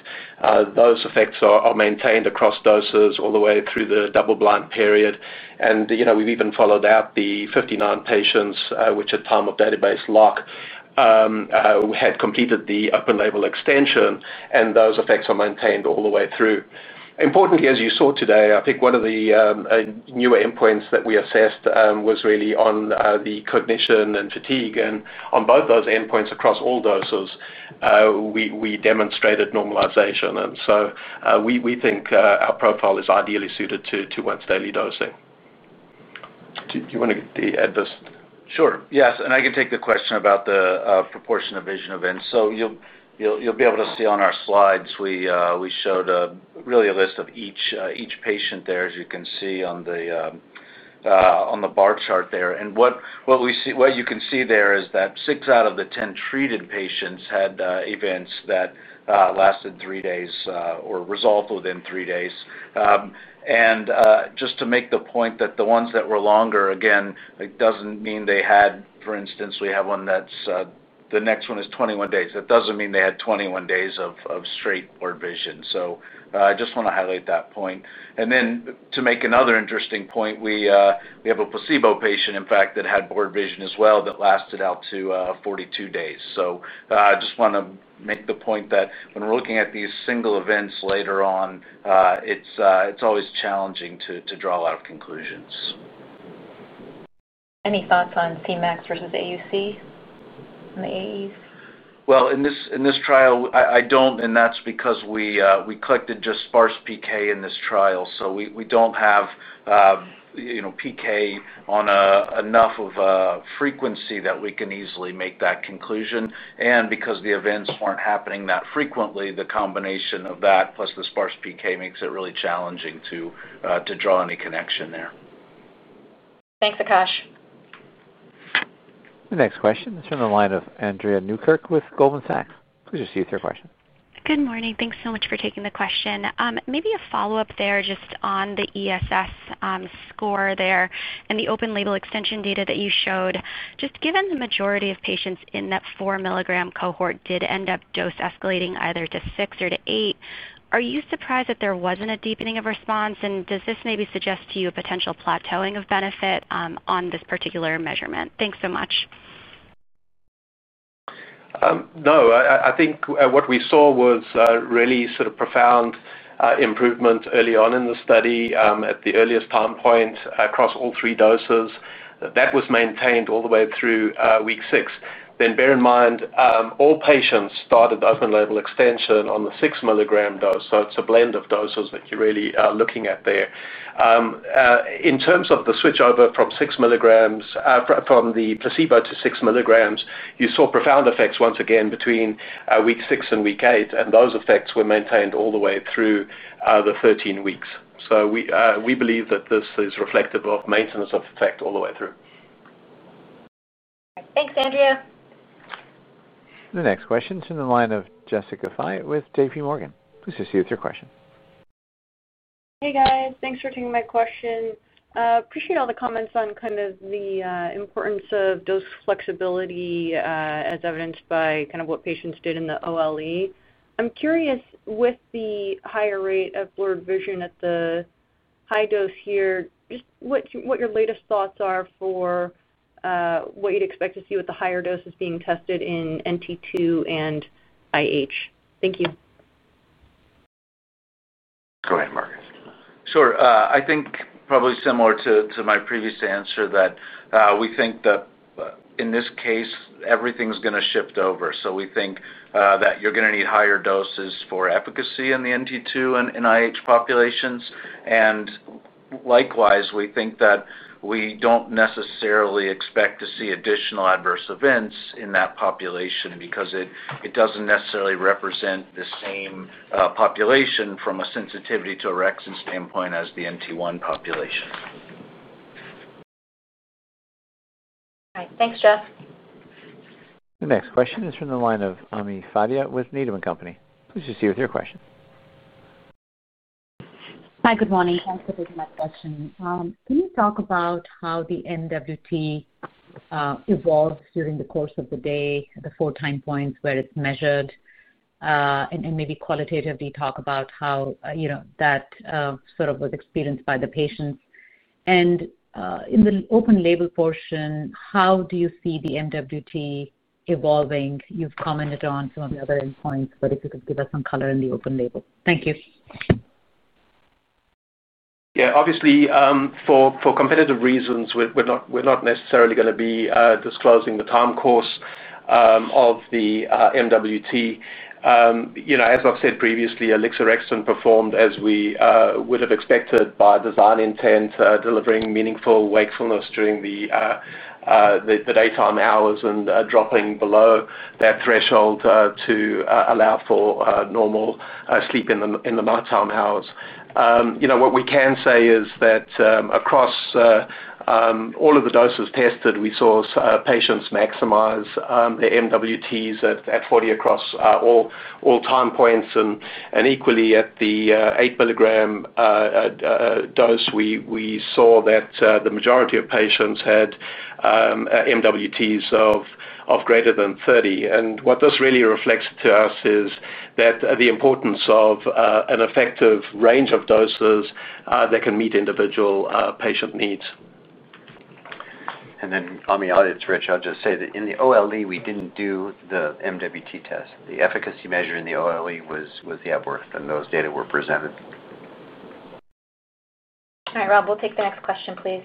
Those effects are maintained across doses all the way through the double-blind period. We've even followed up the 59 patients which, at the time of database lock, had completed the open-label extension, and those effects are maintained all the way through. Importantly, as you saw today, I think one of the new endpoints that we assessed was really on the cognition and fatigue. On both those endpoints across all doses, we demonstrated normalization. We think our profile is ideally suited to once-daily dosing. Do you want to add this? Sure. Yes. I can take the question about the proportion of vision events. You'll be able to see on our slides, we showed really a list of each patient there, as you can see on the bar chart there. What you can see there is that 6 out of the 10 treated patients had events that lasted 3 days or resolved within 3 days. I just want to make the point that the ones that were longer, again, it doesn't mean they had, for instance, we have one that's the next one is 21 days. That doesn't mean they had 21 days of straight blurred vision. I just want to highlight that point. To make another interesting point, we have a placebo patient, in fact, that had blurred vision as well that lasted out to 42 days. I just want to make the point that when we're looking at these single events later on, it's always challenging to draw out conclusions. Any thoughts on Cmax versus AUC and the AEs? In this trial, I don't, and that's because we collected just sparse PK in this trial. We don't have PK on enough of a frequency that we can easily make that conclusion. Because the events weren't happening that frequently, the combination of that plus the sparse PK makes it really challenging to draw any connection there. Thanks, Akash. The next question is from the line of Andrea Newkirk with Goldman Sachs. Please proceed with your question. Good morning. Thanks so much for taking the question. Maybe a follow-up there just on the ESS score and the open-label extension data that you showed. Given the majority of patients in that 4 mg cohort did end up dose escalating either to 6 or to 8, are you surprised that there wasn't a deepening of response? Does this maybe suggest to you a potential plateauing of benefit on this particular measurement? Thanks so much. No. I think what we saw was really sort of profound improvement early on in the study at the earliest time point across all three doses. That was maintained all the way through week 6. Bear in mind, all patients started open-label extension on the 6 mg dose. It is a blend of doses that you're really looking at there. In terms of the switch over from 6 mg from the placebo to 6 mg, you saw profound effects once again between week 6 and week 8, and those effects were maintained all the way through the 13 weeks. We believe that this is reflective of maintenance of effect all the way through. Thanks, Andrea. The next question is from the line of Jessica Fye with JPMorgan. Please proceed with your question. Hey, guys. Thanks for taking my question. I appreciate all the comments on the importance of dose flexibility as evidenced by what patients did in the open-label extension. I'm curious, with the higher rate of blurred vision at the high dose here, just what your latest thoughts are for what you'd expect to see with the higher doses being tested in narcolepsy type 2 and idiopathic hypersomnia. Thank you. Go ahead, Markus. Sure. I think probably similar to my previous answer that we think that in this case, everything's going to shift over. We think that you're going to need higher doses for efficacy in the NT2 and IH populations. Likewise, we think that we don't necessarily expect to see additional adverse events in that population because it doesn't necessarily represent the same population from a sensitivity to orexin standpoint as the NT1 population. All right. Thanks, Jess. The next question is from the line of Ami Fadia with Needham & Company. Please proceed with your question. Hi, good morning. Thanks for taking my question. Can you talk about how the MWT evolves during the course of the day, the four time points where it's measured? Maybe qualitatively, talk about how that sort of was experienced by the patients. In the open-label portion, how do you see the MWT evolving? You've commented on some of the other endpoints, but if you could give us some color in the open-label. Thank you. Yeah. Obviously, for competitive reasons, we're not necessarily going to be disclosing the time course of the MWT. As I've said previously, alixorexton performed as we would have expected by design intent, delivering meaningful wakefulness during the daytime hours and dropping below that threshold to allow for normal sleep in the nighttime hours. What we can say is that across all of the doses tested, we saw patients maximize their MWTs at 40 across all time points. Equally, at the 8 mg dose, we saw that the majority of patients had MWTs of greater than 30. What this really reflects to us is the importance of an effective range of doses that can meet individual patient needs. Ami, it's Rich. I'll just say that in the OLE, we didn't do the MWT test. The efficacy measure in the OLE was the Epworth, and those data were presented. All right, Rob, we'll take the next question, please.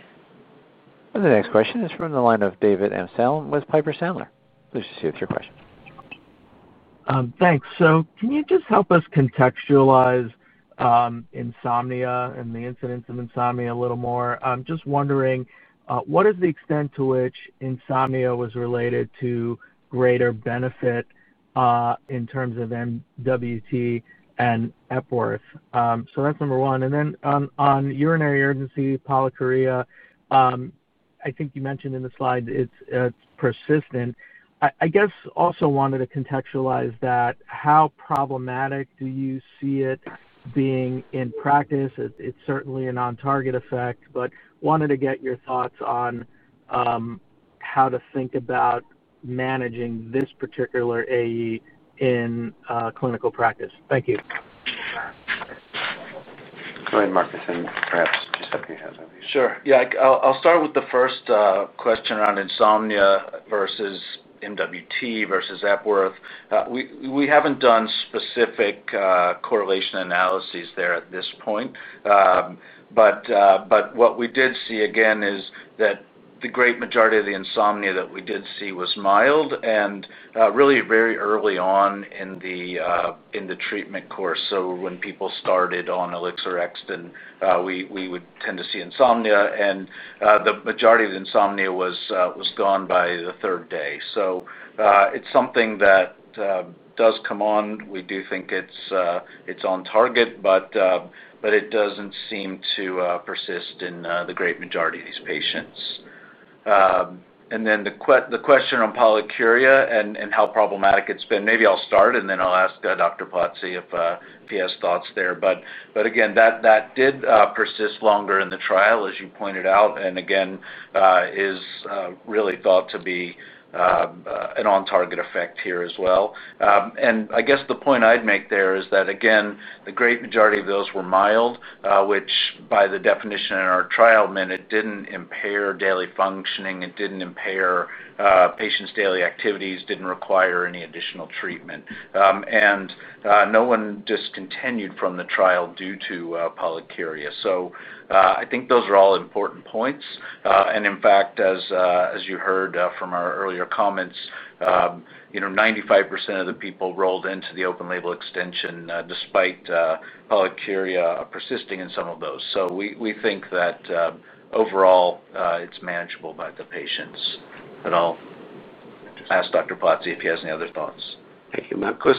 The next question is from the line of David Amsellem with Piper Sandler. Please proceed with your question. Thanks. Can you just help us contextualize insomnia and the incidence of insomnia a little more? I'm just wondering, what is the extent to which insomnia was related to greater benefit in terms of MWT and Epworth? That's number one. On urinary urgency, pollakiuria, I think you mentioned in the slide it's persistent. I also wanted to contextualize that. How problematic do you see it being in practice? It's certainly a non-target effect, but wanted to get your thoughts on how to think about managing this particular AE in clinical practice. Thank you. Sorry, Markus. Perhaps just up your head, I'll be sure. Yeah. I'll start with the first question on insomnia versus MWT versus Epworth. We haven't done specific correlation analyses there at this point. What we did see, again, is that the great majority of the insomnia that we did see was mild and really very early on in the treatment course. When people started on alixorexton, we would tend to see insomnia, and the majority of the insomnia was gone by the third day. It's something that does come on. We do think it's on target, but it doesn't seem to persist in the great majority of these patients. The question on pollakiuria and how problematic it's been, maybe I'll start, and then I'll ask Professor Giuseppe Plazzi if he has thoughts there. That did persist longer in the trial, as you pointed out, and is really thought to be an on-target effect here as well. The point I'd make there is that, again, the great majority of those were mild, which by the definition in our trial meant it didn't impair daily functioning, it didn't impair patients' daily activities, didn't require any additional treatment. No one discontinued from the trial due to pollakiuria. I think those are all important points. In fact, as you heard from our earlier comments, 95% of the people rolled into the open-label extension despite pollakiuria persisting in some of those. We think that overall it's manageable by the patients. I'll ask Professor Giuseppe Plazzi if he has any other thoughts. Thank you, Markus.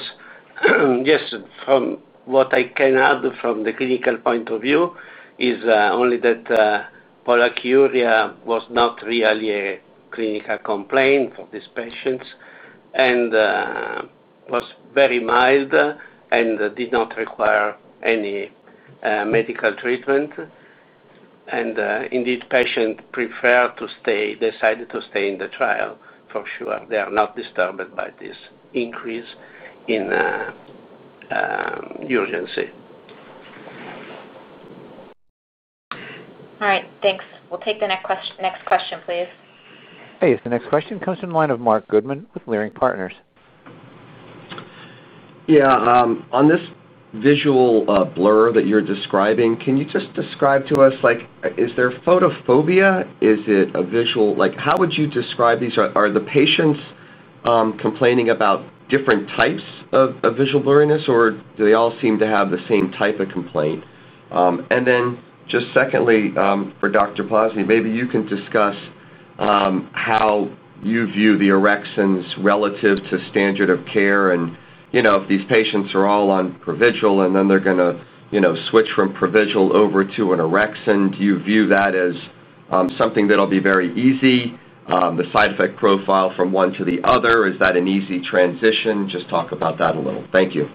Yes. From what I can add from the clinical point of view is only that pollakiuria was not really a clinical complaint for these patients and was very mild and did not require any medical treatment. Indeed, patients prefer to stay, decided to stay in the trial for sure. They are not disturbed by this increase in urgency. All right. Thanks. We'll take the next question, please. Thanks. The next question comes from the line of Marc Goodman with Leerink Partners. Yeah. On this visual blur that you're describing, can you just describe to us, like, is there photophobia? Is it a visual? Like, how would you describe these? Are the patients complaining about different types of visual blurriness, or do they all seem to have the same type of complaint? Secondly, for Professor Giuseppe Plazzi, maybe you can discuss how you view the orexins relative to standard of care. You know, if these patients are all on Provigil and then they're going to switch from Provigil over to an orexin, do you view that as something that'll be very easy? The side effect profile from one to the other, is that an easy transition? Just talk about that a little. Thank you.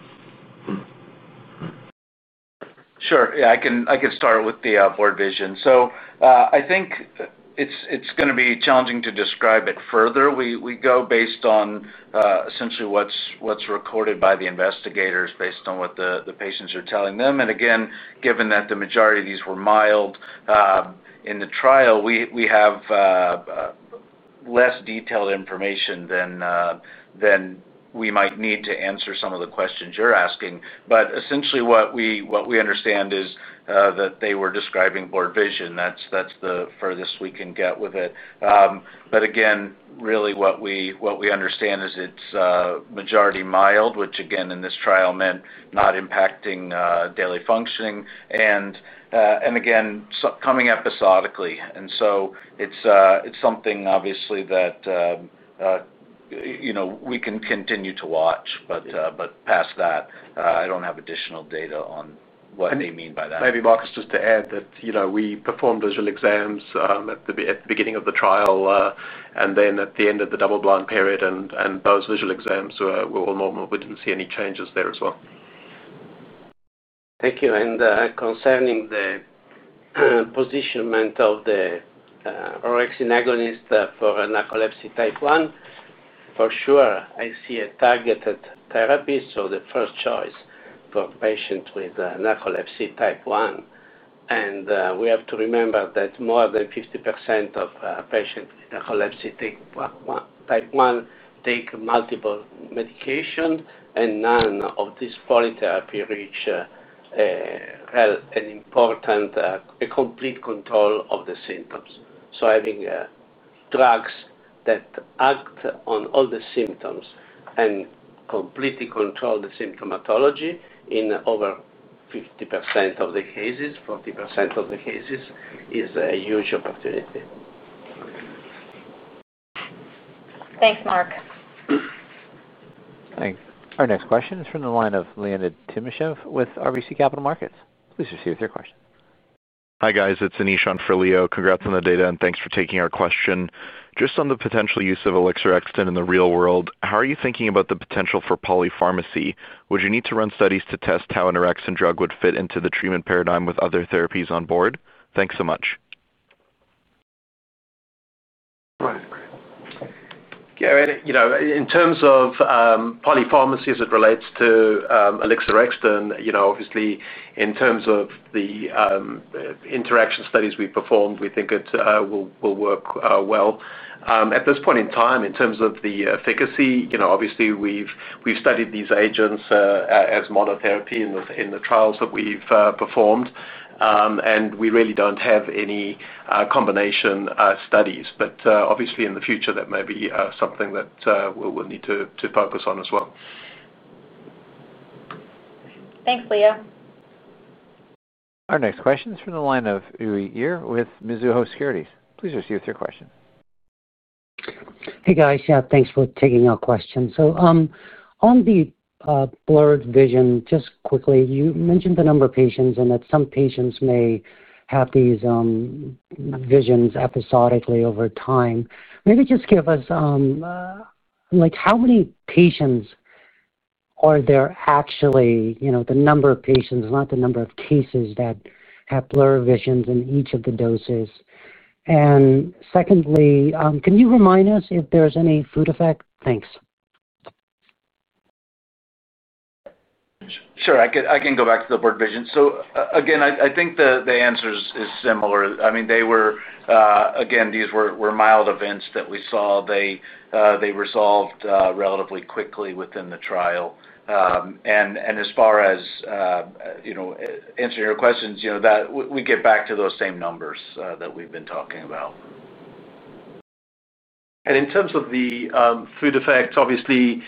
Sure. I can start with the blurred vision. I think it's going to be challenging to describe it further. We go based on essentially what's recorded by the investigators based on what the patients are telling them. Given that the majority of these were mild in the trial, we have less detailed information than we might need to answer some of the questions you're asking. Essentially, what we understand is that they were describing blurred vision. That's the furthest we can get with it. Really what we understand is it's majority mild, which in this trial meant not impacting daily functioning and coming episodically. It's something obviously that we can continue to watch. Past that, I don't have additional data on what they mean by that. Maybe Markus, just to add that we performed visual exams at the beginning of the trial and then at the end of the double-blind period, and those visual exams were all normal. We didn't see any changes there as well. Thank you. Concerning the positionment of the orexin agonist for narcolepsy type 1, for sure, I see a targeted therapy. The first choice for patients with narcolepsy type 1. We have to remember that more than 50% of patients with narcolepsy type 1 take multiple medications, and none of these four therapies reach an important, complete control of the symptoms. Having drugs that act on all the symptoms and completely control the symptomatology in over 50% of the cases, 40% of the cases is a huge opportunity. Thanks, Marc. Thanks. Our next question is from the line of Leonid Timashev with RBC Capital Markets. Please proceed with your question. Hi, guys. It's Anish on for Leo. Congrats on the data, and thanks for taking our question. Just on the potential use of alixorexton in the real world, how are you thinking about the potential for polypharmacy? Would you need to run studies to test how an orexin 2 receptor agonist drug would fit into the treatment paradigm with other therapies on board? Thanks so much. In terms of polypharmacy as it relates to alixorexton, obviously, in terms of the interaction studies we performed, we think it will work well. At this point in time, in terms of the efficacy, obviously, we've studied these agents as monotherapy in the trials that we've performed, and we really don't have any combination studies. Obviously, in the future, that may be something that we'll need to focus on as well. Thanks, Leo. Our next question is from the line of Uy Ear with Mizuho Securities. Please proceed with your question. Hey, guys. Thanks for taking our question. On the blurred vision, just quickly, you mentioned the number of patients and that some patients may have these visions episodically over time. Maybe just give us, like, how many patients are there actually, you know, the number of patients, not the number of cases that have blurred visions in each of the doses? Secondly, can you remind us if there's any food effect? Thanks. Sure. I can go back to the blurred vision. I think the answer is similar. I mean, they were mild events that we saw. They resolved relatively quickly within the trial. As far as answering your questions, we get back to those same numbers that we've been talking about. In terms of the food effect, obviously,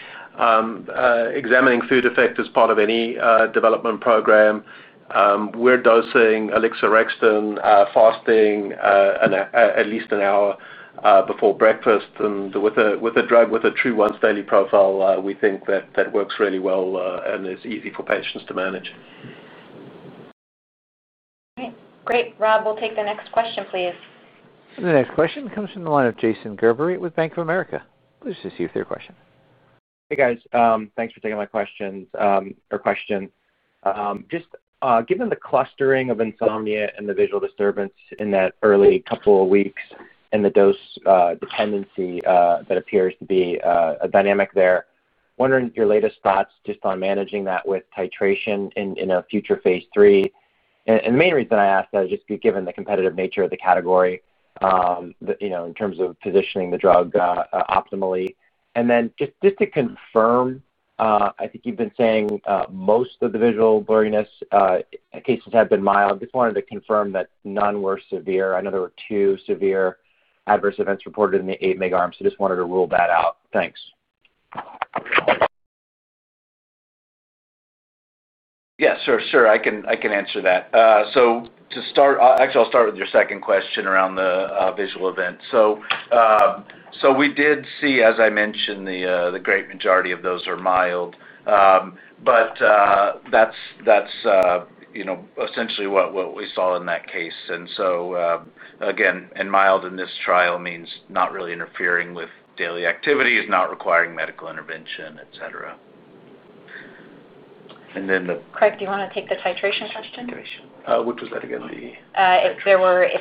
examining food effect as part of any development program, we're dosing alixorexton fasting at least an hour before breakfast. With a drug with a true once-daily profile, we think that that works really well and is easy for patients to manage. Great. Rob, we'll take the next question, please. The next question comes from the line of Jason Gerber with Bank of America. Please proceed with your question. Hey, guys. Thanks for taking my question or questions. Just given the clustering of insomnia and the visual disturbance in that early couple of weeks, and the dose dependency that appears to be a dynamic there, wondering your latest thoughts just on managing that with titration in a future Phase III. The main reason I ask that is just given the competitive nature of the category, you know, in terms of positioning the drug optimally. Just to confirm, I think you've been saying most of the visual blurriness cases have been mild. Just wanted to confirm that none were severe. I know there were two severe adverse events reported in the eight mega arms, so just wanted to rule that out. Thanks. Yeah, sure. I can answer that. To start, actually, I'll start with your second question around the visual events. We did see, as I mentioned, the great majority of those are mild. That's essentially what we saw in that case. Mild in this trial means not really interfering with daily activities, not requiring medical intervention, etc. Then the. Craig, do you want to take the titration question? Which was that again? If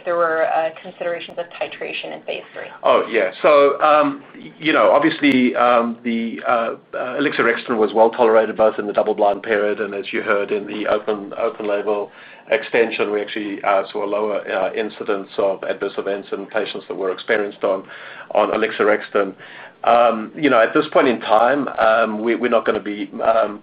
there were considerations of titration in Phase III. Yeah. Obviously, the alixorexton was well tolerated both in the double-blind period and, as you heard, in the open-label extension, we actually saw a lower incidence of adverse events in patients that were experienced on alixorexton. At this point in time, we're not going to be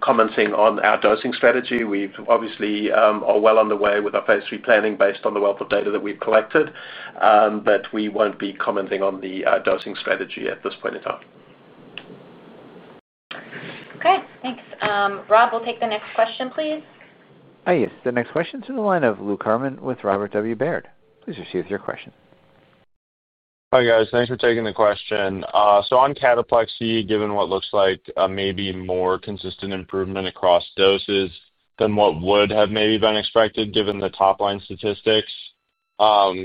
commenting on our dosing strategy. We obviously are well on the way with our Phase III planning based on the wealth of data that we've collected, but we won't be commenting on the dosing strategy at this point in time. Okay. Thanks. Rob, we'll take the next question, please. Yes. The next question is from the line of Luke Herrmann with Robert W. Baird. Please proceed with your question. Hi, guys. Thanks for taking the question. On cataplexy, given what looks like maybe more consistent improvement across doses than what would have maybe been expected given the top-line statistics,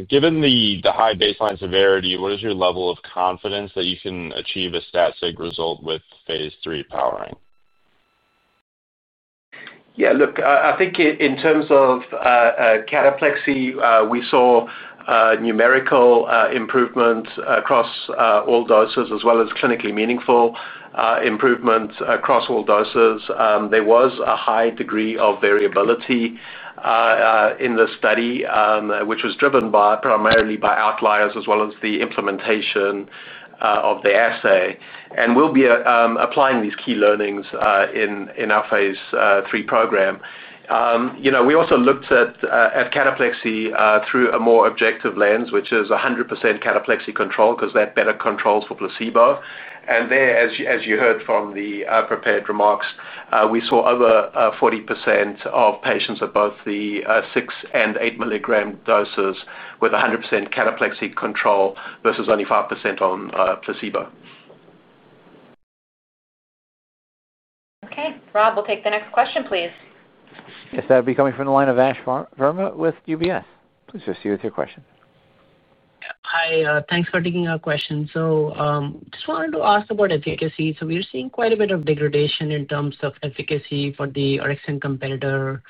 given the high baseline severity, what is your level of confidence that you can achieve a static result with Phase III powering? Yeah. Look, I think in terms of cataplexy, we saw numerical improvements across all doses, as well as clinically meaningful improvements across all doses. There was a high degree of variability in the study, which was driven primarily by outliers as well as the implementation of the assay. We'll be applying these key learnings in our Phase III program. We also looked at cataplexy through a more objective lens, which is 100% cataplexy control because that better controls for placebo. There, as you heard from the prepared remarks, we saw over 40% of patients at both the 6 and 8 mg doses with 100% cataplexy control versus only 5% on placebo. Okay. Rob, we'll take the next question, please. Yes. That would be coming from the line of Ash Verma with UBS. Please proceed with your question. Hi. Thanks for taking our question. I just wanted to ask about efficacy. We're seeing quite a bit of degradation in terms of efficacy for the RxSync competitor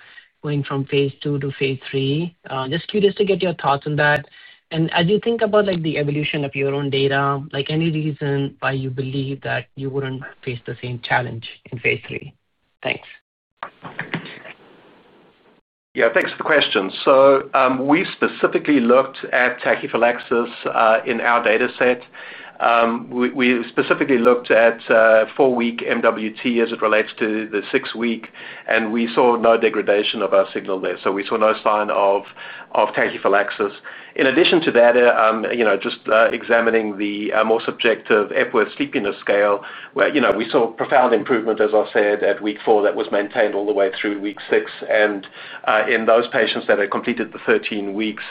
going from Phase II to Phase III. Just curious to get your thoughts on that. As you think about the evolution of your own data, any reason why you believe that you wouldn't face the same challenge in Phase III? Thanks. Yeah, thanks for the question. We specifically looked at tachyphylaxis in our data set. We specifically looked at four-week MWT as it relates to the six-week, and we saw no degradation of our signal there. We saw no sign of tachyphylaxis. In addition to that, just examining the more subjective Epworth Sleepiness Scale, we saw profound improvement, as I said, at week 4. That was maintained all the way through week 6. In those patients that had completed the 13 weeks,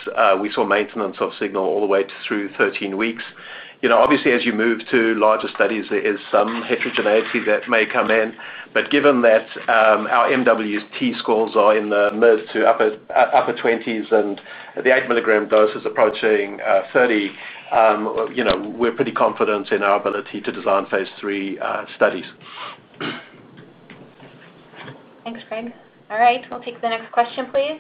we saw maintenance of signal all the way through 13 weeks. Obviously, as you move to larger studies, there is some heterogeneity that may come in. Given that our MWT scores are in the mid to upper 20s and the 8 mg dose is approaching 30, we're pretty confident in our ability to design Phase III studies. Thanks, Craig. All right. We'll take the next question, please.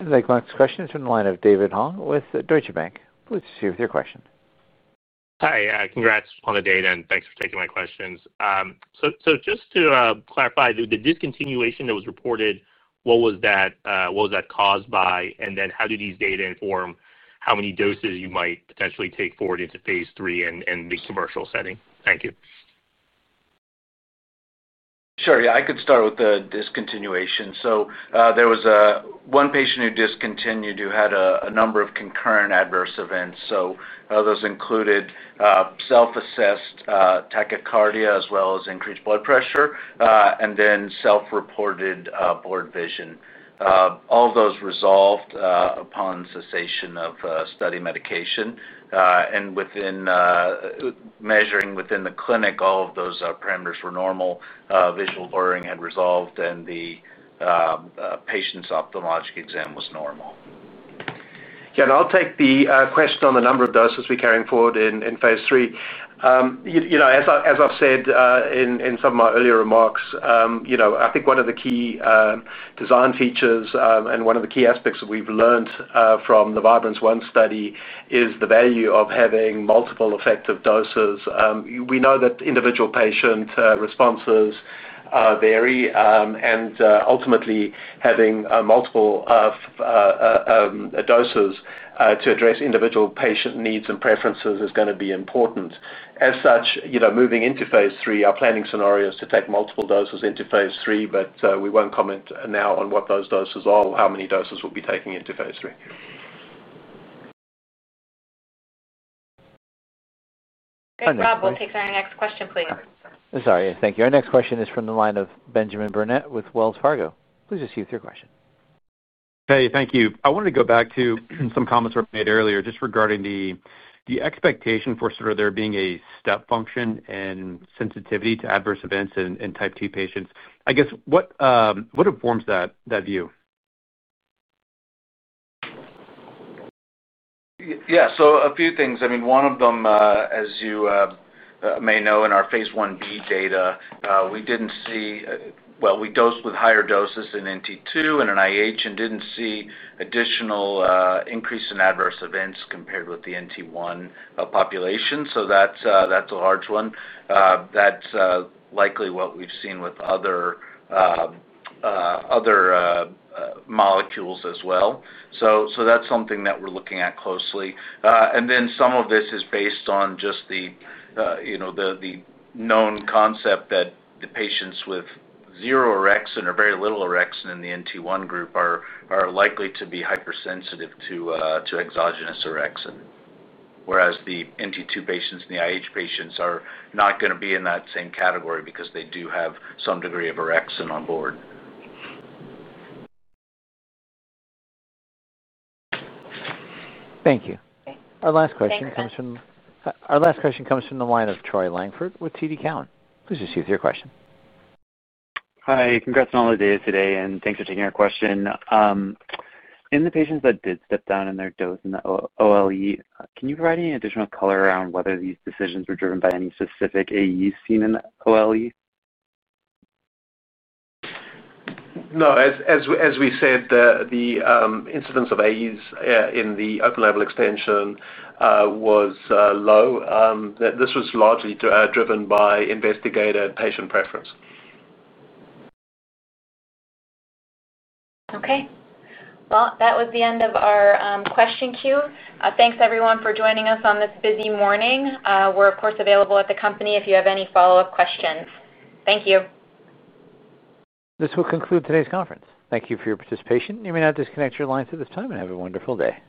This is a question from the line of David Hoang with Deutsche Bank. Please proceed with your question. Hi. Congrats on the data, and thanks for taking my questions. Just to clarify, the discontinuation that was reported, what was that caused by? How do these data inform how many doses you might potentially take forward into Phase III in the commercial setting? Thank you. Sure. I could start with the discontinuation. There was one patient who discontinued who had a number of concurrent adverse events. Those included self-assessed tachycardia, as well as increased blood pressure, and then self-reported blurred vision. All of those resolved upon cessation of study medication. Within measuring within the clinic, all of those parameters were normal. Visual blurring had resolved, and the patient's ophthalmologic exam was normal. I'll take the question on the number of doses we carry forward in Phase III. As I've said in some of my earlier remarks, I think one of the key design features and one of the key aspects that we've learned from the Vibrance-1 study is the value of having multiple effective doses. We know that individual patient responses vary. Ultimately, having multiple doses to address individual patient needs and preferences is going to be important. As such, moving into Phase III, our planning scenario is to take multiple doses into Phase III. We won't comment now on what those doses are or how many doses we'll be taking into Phase III. Thanks, Bob. We'll take our next question, please. Thank you. Our next question is from the line of Benjamin Burnett with Wells Fargo. Please proceed with your question. Thank you. I wanted to go back to some comments we made earlier just regarding the expectation for there being a step function and sensitivity to adverse events in type 2 patients. I guess, what informs that view? Yeah, a few things. One of them, as you may know, in our Phase I-B data, we didn't see, we dosed with higher doses in NT2 and in idiopathic hypersomnia and didn't see additional increase in adverse events compared with the NT1 population. That's a large one. That's likely what we've seen with other molecules as well. That's something that we're looking at closely. Some of this is based on just the known concept that the patients with zero or very little orexin in the NT1 group are likely to be hypersensitive to exogenous orexin. Whereas the NT2 patients and the idiopathic hypersomnia patients are not going to be in that same category because they do have some degree of orexin on board. Thank you. Our last question comes from the line of Troy Langford with TD Cowen. Please proceed with your question. Hi. Congrats on all the data today, and thanks for taking our question. In the patients that did step down in their dose in the open-label extension, can you provide any additional color around whether these decisions were driven by any specific AEs seen in the open-label extension? No. As we said, the incidence of AEs in the open-label extension was low. This was largely driven by investigator and patient preference. Okay. That was the end of our question queue. Thanks, everyone, for joining us on this busy morning. We're, of course, available at the company if you have any follow-up questions. Thank you. This will conclude today's conference. Thank you for your participation. You may now disconnect your lines at this time and have a wonderful day.